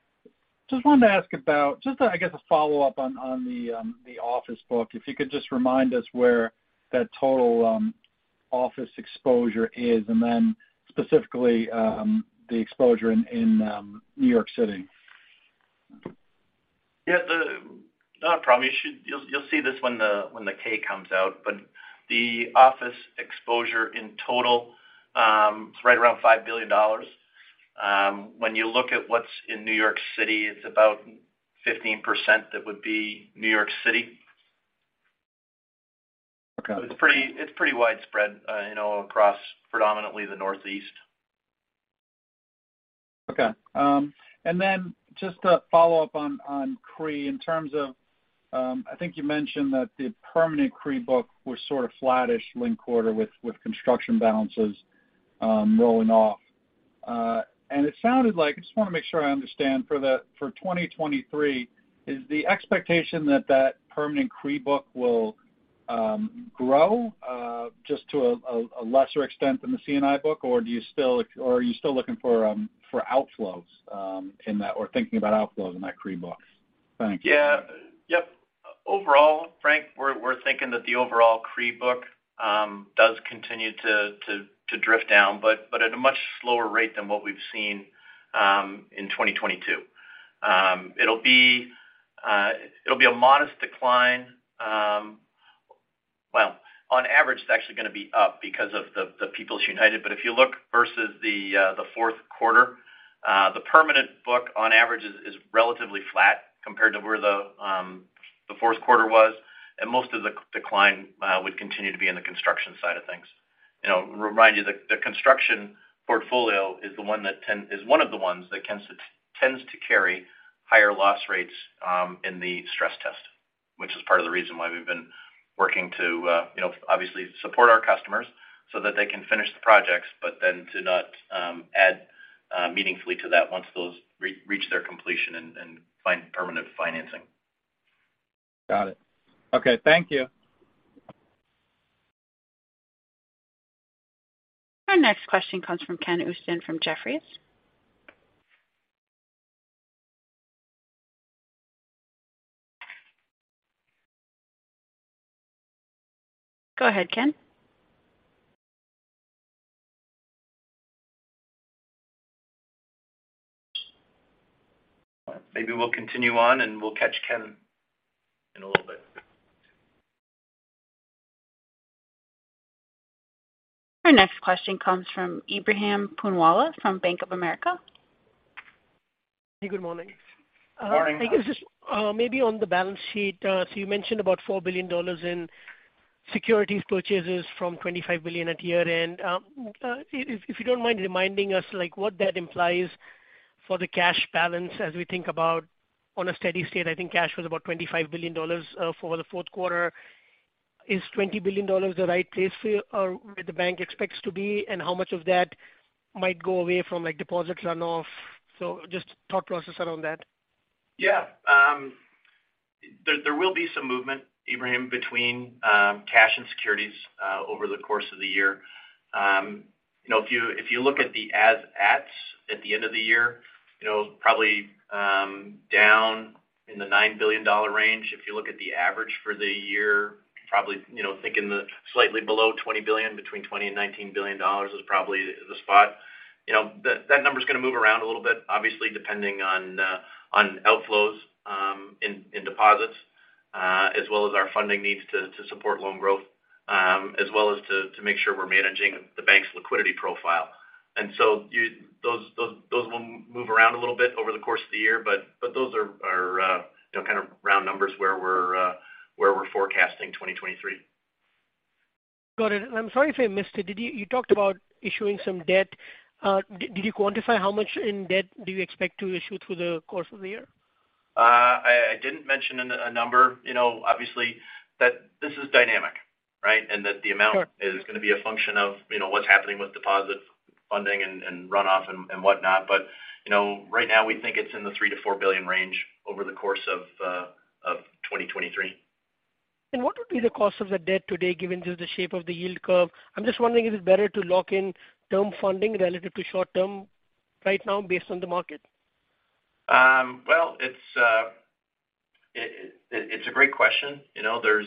Just wanted to ask about a follow-up on the office book. If you could just remind us where that total office exposure is, and then specifically the exposure in New York City. Yeah. Not a problem. You'll see this when the K comes out, but the office exposure in total is right around $5 billion. When you look at what's in New York City, it's about 15% that would be New York City. Okay. It's pretty widespread, you know, across predominantly the Northeast. Okay. Then just to follow up on CRE in terms of, I think you mentioned that the permanent CRE book was sort of flattish linked quarter with construction balances, rolling off. I just want to make sure I understand for 2023, is the expectation that that permanent CRE book will grow just to a lesser extent than the C&I book? Are you still looking for outflows in that or thinking about outflows in that CRE book? Thank you. Yeah. Yep. Overall, Frank, we're thinking that the overall CRE book does continue to drift down, but at a much slower rate than what we've seen in 2022. It'll be a modest decline. Well, on average, it's actually gonna be up because of the People's United. If you look versus the fourth quarter, the permanent book on average is relatively flat compared to where the fourth quarter was. Most of the decline would continue to be in the construction side of things. You know, remind you the construction portfolio is one of the ones that tends to carry higher loss rates in the stress test, which is part of the reason why we've been working to, you know, obviously support our customers so that they can finish the projects, but then to not add meaningfully to that once those reach their completion and find permanent financing. Got it. Okay. Thank you. Our next question comes from Ken Usdin from Jefferies. Go ahead, Ken. Maybe we'll continue on, and we'll catch Ken in a little bit. Our next question comes from Ebrahim Poonawala from Bank of America. Hey, good morning. Good morning. I guess just, maybe on the balance sheet, you mentioned about $4 billion in securities purchases from $25 billion at year-end. If you don't mind reminding us, like, what that implies for the cash balance as we think about on a steady state, I think cash was about $25 billion for the fourth quarter. Is $20 billion the right place for you or where the bank expects to be, and how much of that might go away from, like, deposit runoff? Just thought process around that. Yeah. There will be some movement, Ebrahim, between cash and securities over the course of the year. You know, if you look at the assets at the end of the year, you know, probably down in the $9 billion range. If you look at the average for the year, probably, you know, think in the slightly below $20 billion, between $20 billion and $19 billion is probably the spot. You know, that number's gonna move around a little bit, obviously depending on outflows in deposits as well as our funding needs to support loan growth as well as to make sure we're managing the bank's liquidity profile. Those will move around a little bit over the course of the year, but those are, you know, kind of round numbers where we're where we're forecasting 2023. Got it. I'm sorry if I missed it. You talked about issuing some debt. Did you quantify how much in debt do you expect to issue through the course of the year? I didn't mention a number. You know, obviously that this is dynamic, right? That the Sure. is gonna be a function of, you know, what's happening with deposit funding and runoff and whatnot. You know, right now we think it's in the $3 billion-$4 billion range over the course of 2023. What would be the cost of the debt today given the shape of the yield curve? I'm just wondering, is it better to lock in term funding relative to short term right now based on the market? Well, it's a great question. You know, there's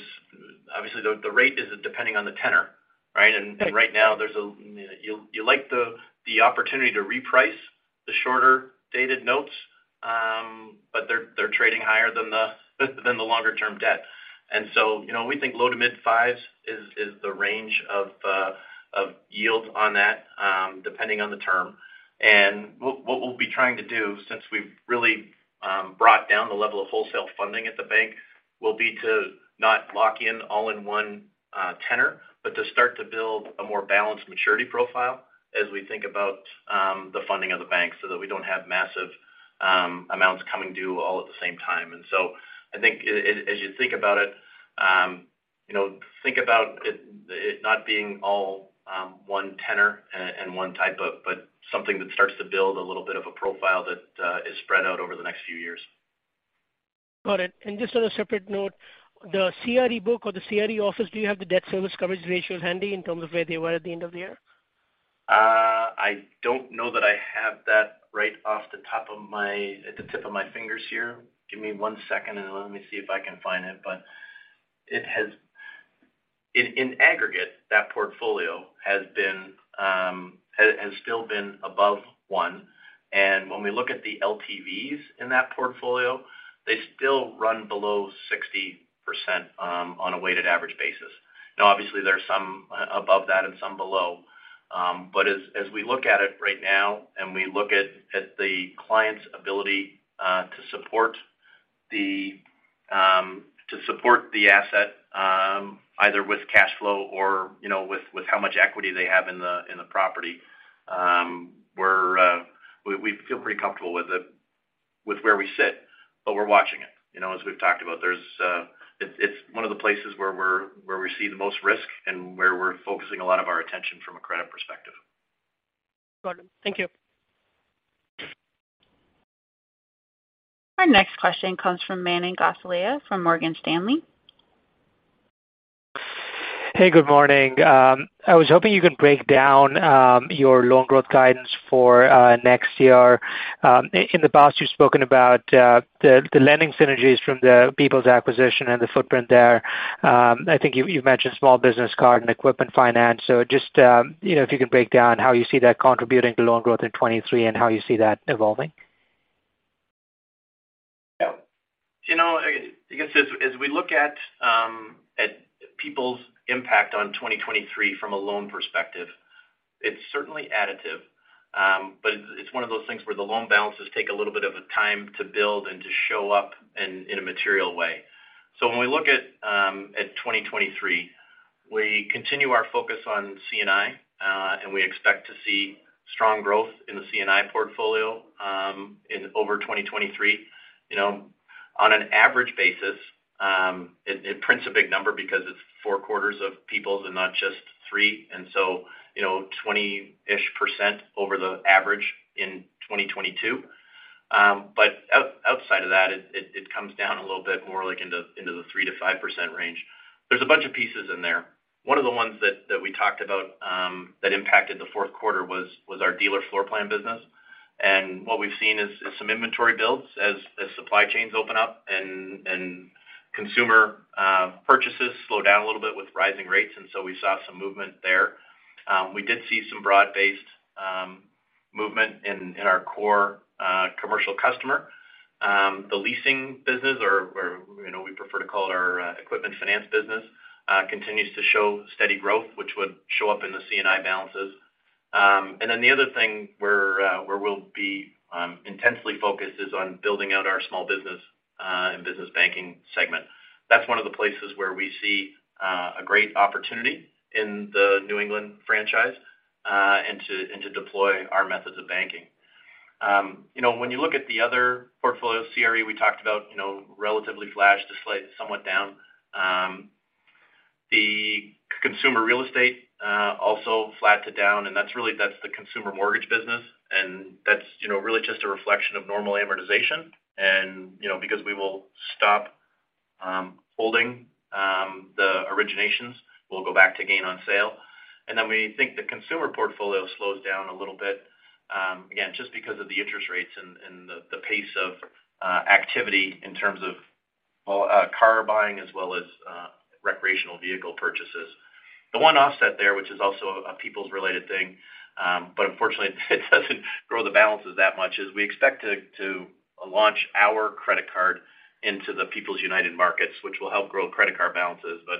obviously the rate is depending on the tenor, right? Right. Right now you like the opportunity to reprice the shorter dated notes, but they're trading higher than the longer term debt. You know, we think low to mid 5% is the range of yields on that, depending on the term. What we'll be trying to do since we've really brought down the level of wholesale funding at the bank will be to not lock in all in one tenor, but to start to build a more balanced maturity profile as we think about the funding of the bank so that we don't have massive amounts coming due all at the same time. I think as you think about it, you know, think about it not being all, one tenor and one type of, but something that starts to build a little bit of a profile that is spread out over the next few years. Got it. Just on a separate note, the CRE book or the CRE office, do you have the debt service coverage ratios handy in terms of where they were at the end of the year? I don't know that I have that right at the tip of my fingers here. Give me one second and let me see if I can find it. It has in aggregate, that portfolio has still been above 1. When we look at the LTVs in that portfolio, they still run below 60% on a weighted average basis. Obviously there are some above that and some below. As we look at it right now and we look at the client's ability to support the asset either with cash flow or, you know, with how much equity they have in the property, we feel pretty comfortable with it, with where we sit, but we're watching it. You know, as we've talked about, there's, it's one of the places where we see the most risk and where we're focusing a lot of our attention from a credit perspective. Got it. Thank you. Our next question comes from Manan Gosalia from Morgan Stanley. Hey, good morning. I was hoping you could break down your loan growth guidance for next year. In the past, you've spoken about the lending synergies from the People's acquisition and the footprint there. I think you've mentioned small business card and equipment finance. Just, you know, if you could break down how you see that contributing to loan growth in 2023 and how you see that evolving. You know, I guess, as we look at People's impact on 2023 from a loan perspective, it's certainly additive. But it's one of those things where the loan balances take a little bit of a time to build and to show up in a material way. When we look at 2023, we continue our focus on C&I, and we expect to see strong growth in the C&I portfolio in over 2023. You know, on an average basis, it prints a big number because it's four quarters of People's and not just three. You know, 20-ish% over the average in 2022. But outside of that, it comes down a little bit more like into the 3%-5% range. There's a bunch of pieces in there. One of the ones that we talked about, that impacted the fourth quarter was our dealer floor plan business. What we've seen is some inventory builds as supply chains open up and consumer purchases slow down a little bit with rising rates. We saw some movement there. We did see some broad-based movement in our core commercial customer. The leasing business or, you know, we prefer to call it our equipment finance business, continues to show steady growth, which would show up in the C&I balances. The other thing where we'll be intensely focused is on building out our small business and business banking segment. That's one of the places where we see a great opportunity in the New England franchise, and to, and to deploy our methods of banking. You know, when you look at the other portfolio, CRE, we talked about, you know, relatively flat to slight, somewhat down. The consumer real estate also flat to down, and that's the consumer mortgage business. That's, you know, really just a reflection of normal amortization. You know, because we will stop holding the originations, we'll go back to gain on sale. Then we think the consumer portfolio slows down a little bit, again, just because of the interest rates and the pace of activity in terms of, well, car buying as well as recreational vehicle purchases. The one offset there, which is also a People's related thing, but unfortunately it doesn't grow the balances that much, is we expect to launch our credit card into the People's United markets, which will help grow credit card balances. As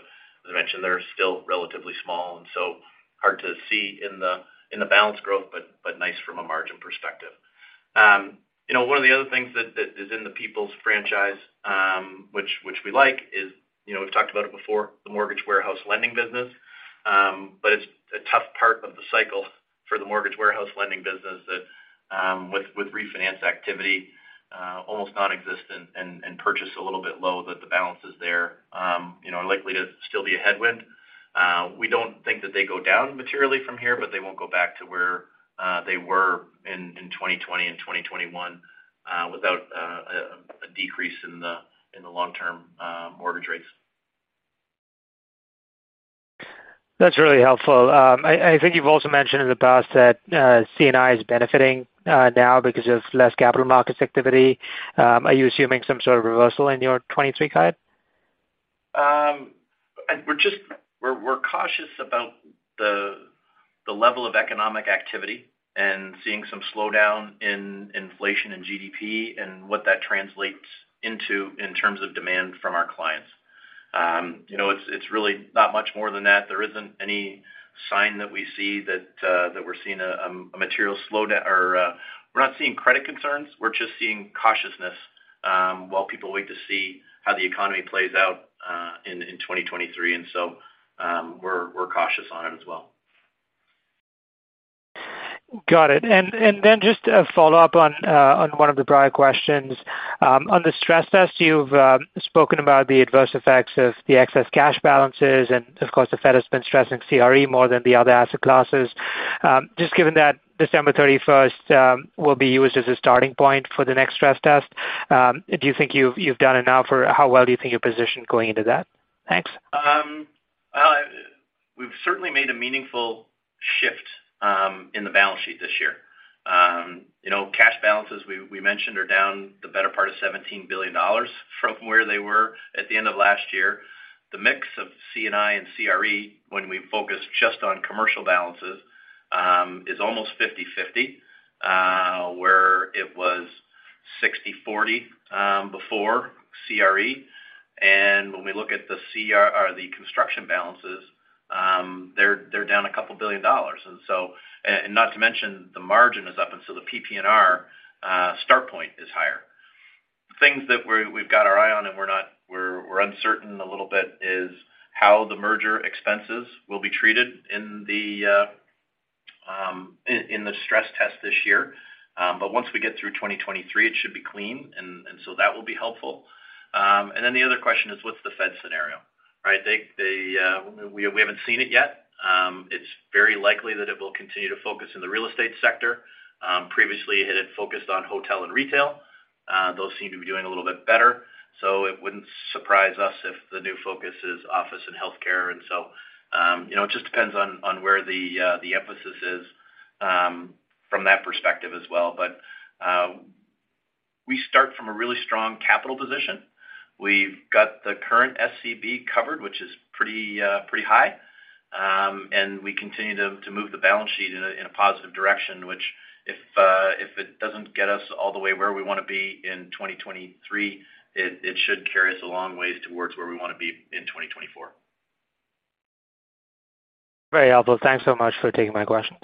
I mentioned, they're still relatively small and so hard to see in the balance growth, but nice from a margin perspective. You know, one of the other things that is in the People's franchise, which we like is, you know, we've talked about it before, the mortgage warehouse lending business. It's a tough part of the cycle for the mortgage warehouse lending business that with refinance activity almost nonexistent and purchase a little bit low that the balance is there. You know, likely to still be a headwind. We don't think that they go down materially from here, but they won't go back to where, they were in 2020 and 2021, without, a decrease in the, in the long-term, mortgage rates. That's really helpful. I think you've also mentioned in the past that C&I is benefiting now because of less capital markets activity. Are you assuming some sort of reversal in your 2023 guide? We're, we're cautious about the level of economic activity and seeing some slowdown in inflation and GDP and what that translates into in terms of demand from our clients. You know, it's really not much more than that. There isn't any sign that we see that we're seeing a material slowdown or we're not seeing credit concerns. We're just seeing cautiousness while people wait to see how the economy plays out in 2023. We're, we're cautious on it as well. Got it. Then just a follow-up on one of the prior questions. On the stress test, you've spoken about the adverse effects of the excess cash balances. Of course, the Fed has been stressing CRE more than the other asset classes. Just given that December 31st will be used as a starting point for the next stress test, do you think you've done enough or how well do you think you're positioned going into that? Thanks. We've certainly made a meaningful shift in the balance sheet this year. You know, cash balances we mentioned are down the better part of $17 billion from where they were at the end of last year. The mix of C&I and CRE when we focus just on commercial balances is almost 50/50, where it was 60/40 before CRE. When we look at the construction balances, they're down $2 billion. Not to mention the margin is up, so the PPNR start point is higher. Things that we've got our eye on and we're uncertain a little bit is how the merger expenses will be treated in the stress test this year. Once we get through 2023, it should be clean. That will be helpful. The other question is what's the Fed scenario, right? They, we haven't seen it yet. It's very likely that it will continue to focus in the real estate sector. Previously it had focused on hotel and retail. Those seem to be doing a little bit better, so it wouldn't surprise us if the new focus is office and healthcare. You know, it just depends on where the emphasis is from that perspective as well. We start from a really strong capital position. We've got the current SCB covered, which is pretty high. We continue to move the balance sheet in a positive direction, which if it doesn't get us all the way where we wanna be in 2023, it should carry us a long ways towards where we wanna be in 2024. Great. Albert, thanks so much for taking my questions.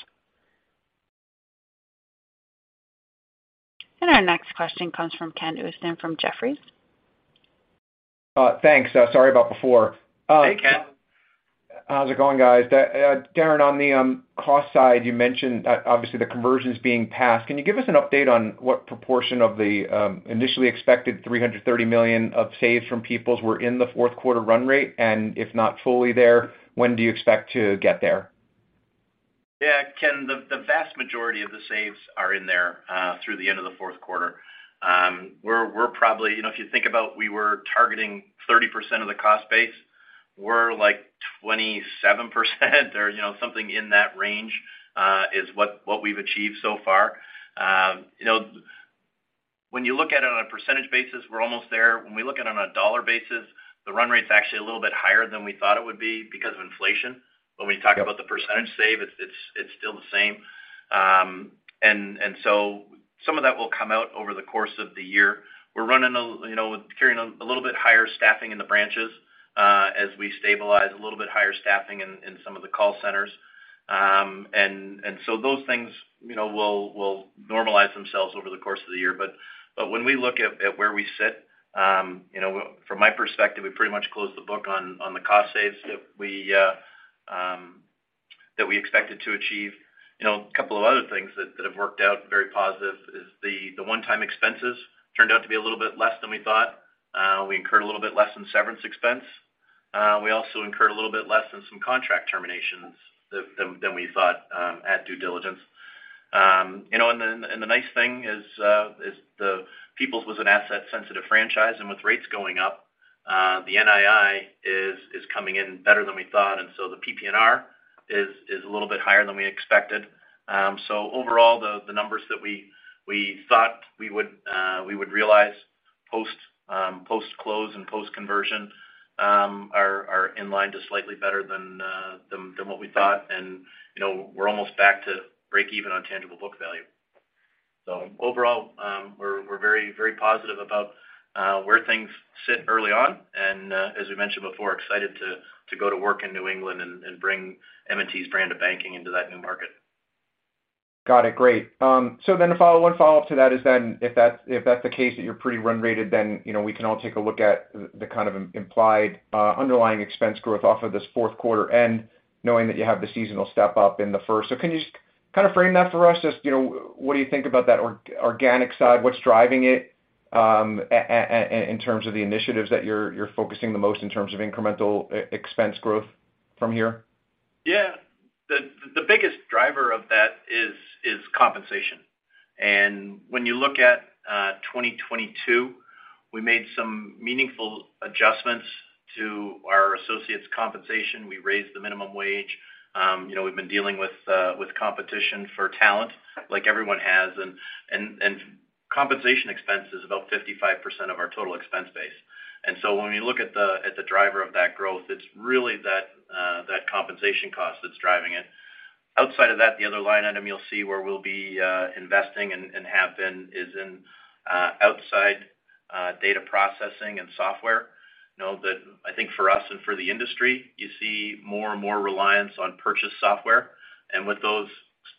Our next question comes from Ken Usdin from Jefferies. Thanks. Sorry about before. Hey, Ken. How's it going, guys? Darren, on the cost side, you mentioned obviously the conversions being passed. Can you give us an update on what proportion of the initially expected $330 million of saves from Peoples were in the fourth quarter run rate? If not fully there, when do you expect to get there? Yeah, Ken, the vast majority of the saves are in there through the end of the fourth quarter. We're probably... You know, if you think about we were targeting 30% of the cost base, we're like 27% or, you know, something in that range, is what we've achieved so far. You know, when you look at it on a percentage basis, we're almost there. When we look at it on a dollar basis, the run rate's actually a little bit higher than we thought it would be because of inflation. When you talk about the percentage save, it's still the same. Some of that will come out over the course of the year. We're running, you know, carrying a little bit higher staffing in the branches, as we stabilize a little bit higher staffing in some of the call centers. Those things, you know, will normalize themselves over the course of the year. When we look at where we sit, you know, from my perspective, we pretty much closed the book on the cost saves that we expected to achieve. You know, a couple of other things that have worked out very positive is the one-time expenses turned out to be a little bit less than we thought. We incurred a little bit less in severance expense. We also incurred a little bit less in some contract terminations than we thought at due diligence. you know, the nice thing is, the People's was an asset-sensitive franchise, and with rates going up, the NII is coming in better than we thought. The PPNR is a little bit higher than we expected. Overall, the numbers that we thought we would realize post-close and post-conversion are in line to slightly better than what we thought. you know, we're almost back to breakeven on tangible book value. Overall, we're very positive about where things sit early on. As we mentioned before, excited to go to work in New England and bring M&T's brand of banking into that new market. Got it. Great. A one follow-up to that is then if that's, if that's the case that you're pretty run rated, then, you know, we can all take a look at the kind of implied underlying expense growth off of this fourth quarter and knowing that you have the seasonal step up in the first. Can you just kind of frame that for us? Just, you know, what do you think about that organic side? What's driving it, in terms of the initiatives that you're focusing the most in terms of incremental expense growth from here? The biggest driver of that is compensation. When you look at 2022, we made some meaningful adjustments to our associates' compensation. We raised the minimum wage. You know, we've been dealing with competition for talent like everyone has. Compensation expense is about 55% of our total expense base. When you look at the driver of that growth, it's really that compensation cost that's driving it. Outside of that, the other line item you'll see where we'll be investing and have been is in outside data processing and software. Know that I think for us and for the industry, you see more and more reliance on purchase software. With those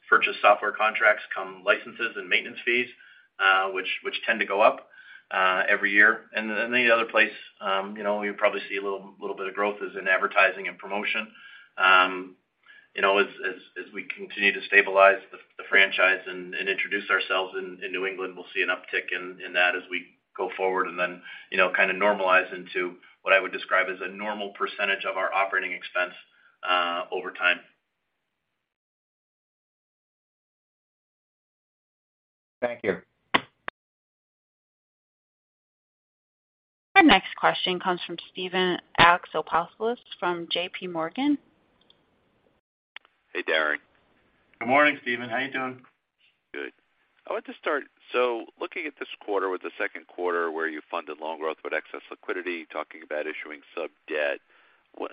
purchase software contracts come licenses and maintenance fees, which tend to go up every year. The other place, you know, you'll probably see a little bit of growth is in advertising and promotion. You know, as we continue to stabilize the franchise and introduce ourselves in New England, we'll see an uptick in that as we go forward. You know, kind of normalize into what I would describe as a normal percentage of our operating expense over time. Thank you. Our next question comes from Steven Alexopoulos from JP Morgan. Hey, Darren. Good morning, Steven. How are you doing? Good. I want to start. Looking at this quarter with the second quarter where you funded loan growth with excess liquidity, talking about issuing sub-debt,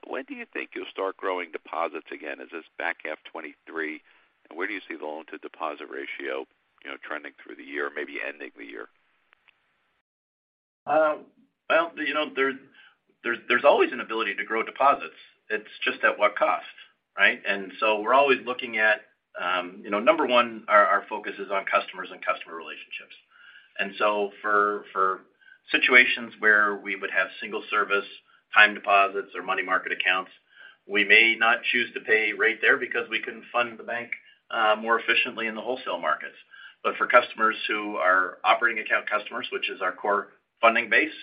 when do you think you'll start growing deposits again? Is this back half 2023? Where do you see the loan to deposit ratio, you know, trending through the year, maybe ending the year? Well, you know, there's always an ability to grow deposits. It's just at what cost, right? We're always looking at, you know, number one, our focus is on customers and customer relationships. For situations where we would have single service time deposits or money market accounts, we may not choose to pay rate there because we can fund the bank more efficiently in the wholesale markets. For customers who are operating account customers, which is our core funding base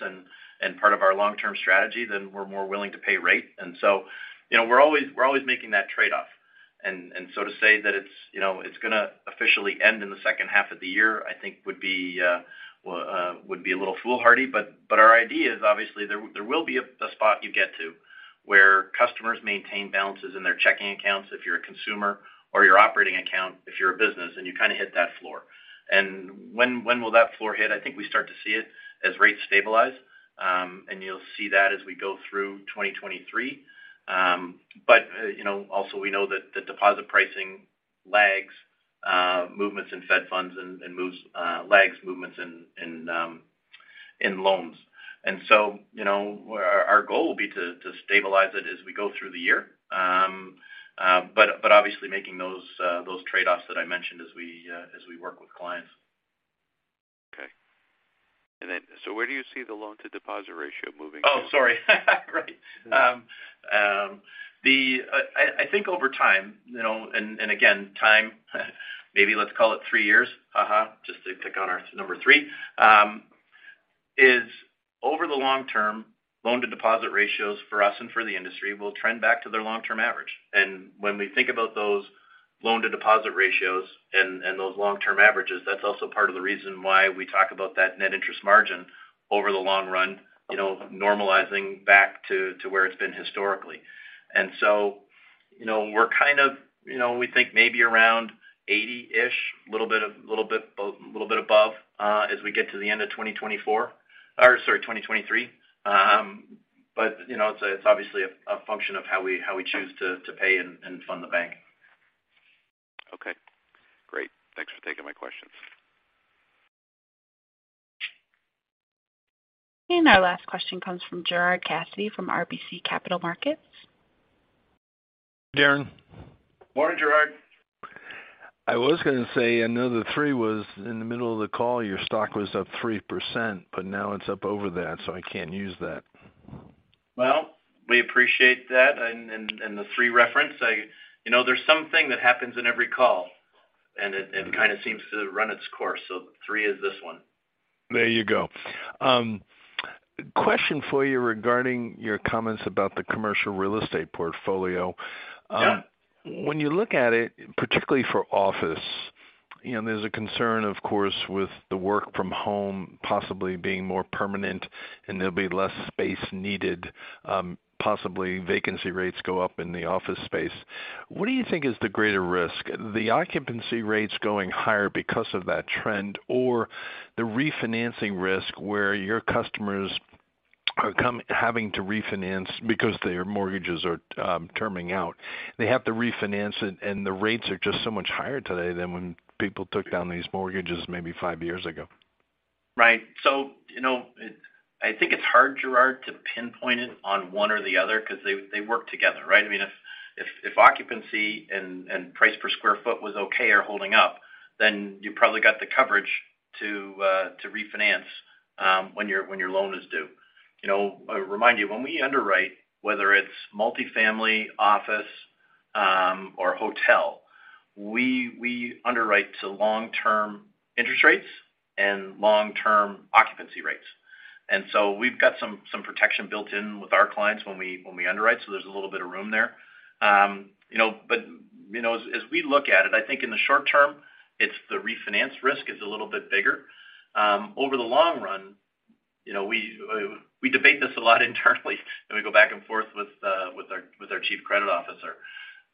and part of our long-term strategy, we're more willing to pay rate. You know, we're always making that trade-off. To say that it's, you know, it's going to officially end in the second half of the year, I think would be a little foolhardy. Our idea is obviously there will be a spot you get to where customers maintain balances in their checking accounts if you're a consumer or your operating account if you're a business, and you kind of hit that floor. When will that floor hit? I think we start to see it as rates stabilize, and you'll see that as we go through 2023. You know, also we know that the deposit pricing lags movements in Fed funds and lags movements in loans. You know, our goal will be to stabilize it as we go through the year. Obviously making those trade-offs that I mentioned as we work with clients. Okay. Where do you see the loan to deposit ratio moving? Oh, sorry. Right. I think over time, you know, and again, time, maybe let's call it three years, haha, just to pick on our number three, is over the long term, loan to deposit ratios for us and for the industry will trend back to their long-term average. When we think about those loan to deposit ratios and those long-term averages, that's also part of the reason why we talk about that net interest margin over the long run, you know, normalizing back to where it's been historically. You know, we're kind of, you know, we think maybe around 80-ish, little bit above, as we get to the end of 2024 or, sorry, 2023. You know, it's obviously a function of how we, how we choose to pay and fund the bank. Okay. Great. Thanks for taking my questions. Our last question comes from Gerard Cassidy from RBC Capital Markets. Darren. Morning, Gerard. I was gonna say another three was in the middle of the call, your stock was up 3%, but now it's up over that, so I can't use that. Well, we appreciate that and the three reference. You know, there's something that happens in every call, and it kind of seems to run its course. Three is this one. There you go. Question for you regarding your comments about the commercial real estate portfolio. Yeah. When you look at it, particularly for office, you know, there's a concern, of course, with the work from home possibly being more permanent, and there'll be less space needed, possibly vacancy rates go up in the office space. What do you think is the greater risk, the occupancy rates going higher because of that trend, or the refinancing risk where your customers are having to refinance because their mortgages are terming out, they have to refinance it and the rates are just so much higher today than when people took down these mortgages maybe five years ago? Right. You know, I think it's hard, Gerard, to pinpoint it on one or the other cause they work together, right? I mean, if occupancy and price per square foot was okay or holding up, then you probably got the coverage to refinance when your loan is due. You know, I remind you, when we underwrite, whether it's multifamily, office, or hotel, we underwrite to long-term interest rates and long-term occupancy rates. We've got some protection built in with our clients when we underwrite, so there's a little bit of room there. You know, you know, as we look at it, I think in the short term, it's the refinance risk is a little bit bigger. Over the long run, you know, we debate this a lot internally and we go back and forth with our chief credit officer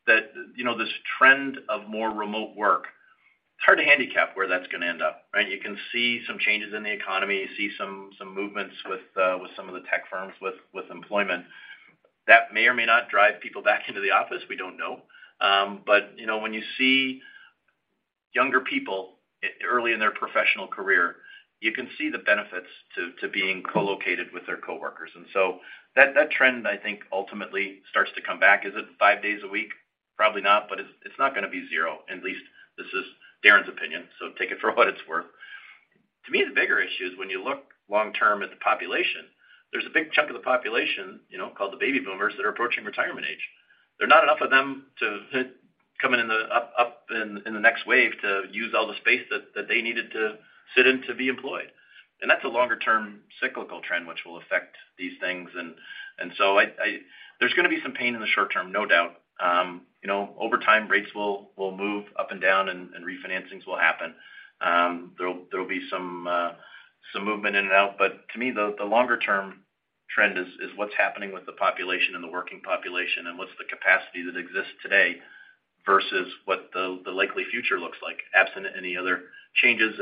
that, you know, this trend of more remote work, it's hard to handicap where that's gonna end up, right? You can see some changes in the economy. You see some movements with some of the tech firms with employment. That may or may not drive people back into the office. We don't know. You know, when you see younger people early in their professional career, you can see the benefits to being co-located with their coworkers. That trend, I think, ultimately starts to come back. Is it five days a week? Probably not, but it's not gonna be zero, at least this is Darren's opinion. Take it for what it's worth. To me, the bigger issue is when you look long term at the population. There's a big chunk of the population, you know, called the baby boomers that are approaching retirement age. They're not enough of them coming in the next wave to use all the space that they needed to sit in to be employed. That's a longer term cyclical trend which will affect these things. There's gonna be some pain in the short term, no doubt. You know, over time rates will move up and down and refinancings will happen. There'll be some movement in and out. To me, the longer term trend is what's happening with the population and the working population and what's the capacity that exists today versus what the likely future looks like, absent any other changes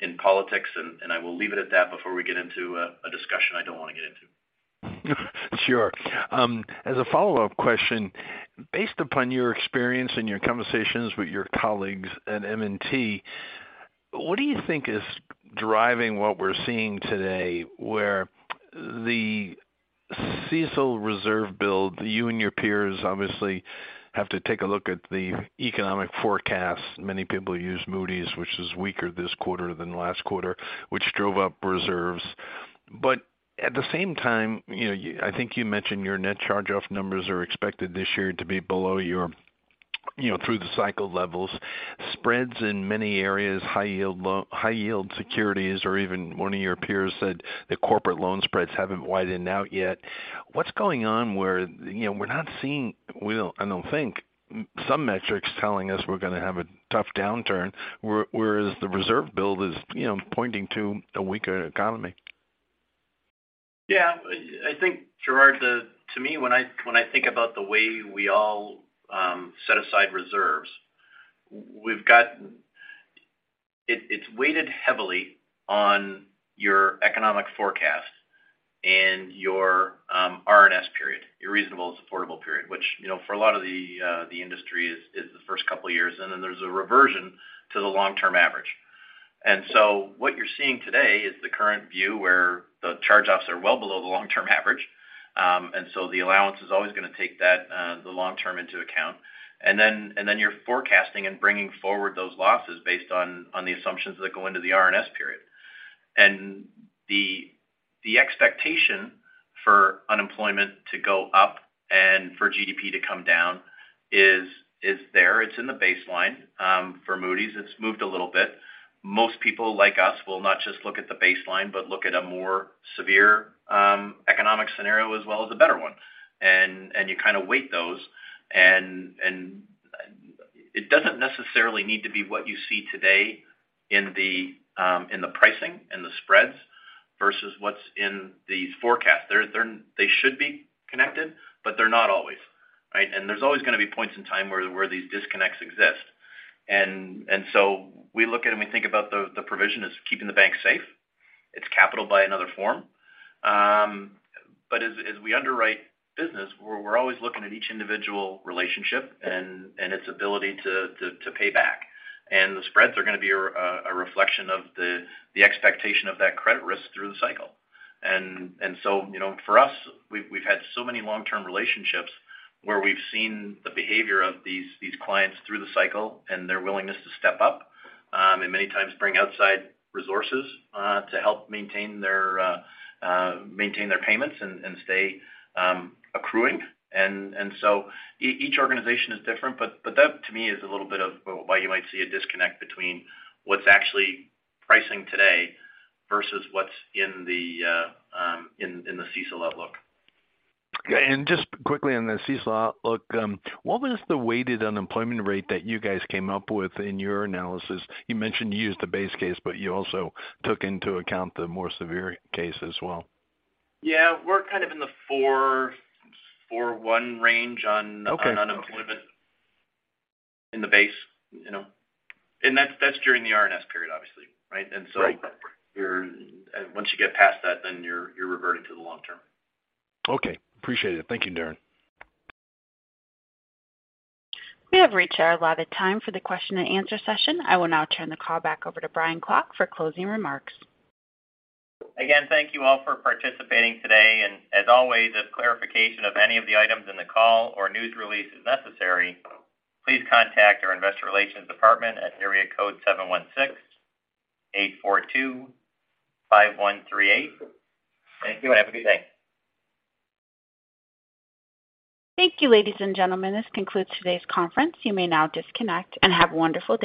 in politics. I will leave it at that before we get into a discussion I don't wanna get into. Sure. As a follow-up question, based upon your experience and your conversations with your colleagues at M&T, what do you think is driving what we're seeing today where the CECL reserve build, you and your peers obviously have to take a look at the economic forecast. Many people use Moody's, which is weaker this quarter than last quarter, which drove up reserves. At the same time, you know, I think you mentioned your net charge-off numbers are expected this year to be below your, you know, through the cycle levels. Spreads in many areas, high yield securities or even one of your peers said that corporate loan spreads haven't widened out yet. What's going on where, you know, we're not seeing, I don't think some metrics telling us we're gonna have a tough downturn, where, whereas the reserve build is, you know, pointing to a weaker economy? Yeah. I think, Gerard, to me, when I, when I think about the way we all set aside reserves, we've got. It's weighted heavily on your economic forecast and your R&S period, your reasonable and affordable period, which, you know, for a lot of the industry is the first couple of years and then there's a reversion to the long-term average. What you're seeing today is the current view where the charge-offs are well below the long-term average. The allowance is always gonna take that the long-term into account. And then you're forecasting and bringing forward those losses based on the assumptions that go into the R&S period. The expectation for unemployment to go up and for GDP to come down is there. It's in the baseline. For Moody's, it's moved a little bit. Most people like us will not just look at the baseline, but look at a more severe economic scenario as well as a better one. You kinda weight those and it doesn't necessarily need to be what you see today in the pricing and the spreads versus what's in these forecasts. They should be connected, but they're not always, right? There's always gonna be points in time where these disconnects exist. So we look at them, we think about the provision as keeping the bank safe. It's capital by another form. As we underwrite business, we're always looking at each individual relationship and its ability to pay back. The spreads are gonna be a reflection of the expectation of that credit risk through the cycle. You know, for us, we've had so many long-term relationships where we've seen the behavior of these clients through the cycle and their willingness to step up and many times bring outside resources to help maintain their payments and stay accruing. Each organization is different, but that to me is a little bit of why you might see a disconnect between what's actually pricing today versus what's in the CECL outlook. Okay. Just quickly on the CECL outlook, what was the weighted unemployment rate that you guys came up with in your analysis? You mentioned you used the base case, but you also took into account the more severe case as well. Yeah. We're kind of in the 4/1 range on- Okay. on unemployment in the base, you know. That's during the R&S period, obviously, right? Right. You're, once you get past that, then you're reverting to the long term. Okay. Appreciate it. Thank you, Darren. We have reached our allotted time for the question and answer session. I will now turn the call back over to Brian Klock for closing remarks. Again, thank you all for participating today. As always, if clarification of any of the items in the call or news release is necessary, please contact our Investor Relations department at area code 716 842 5138. Thank you, and have a good day. Thank you, ladies and gentlemen. This concludes today's conference. You may now disconnect and have a wonderful day.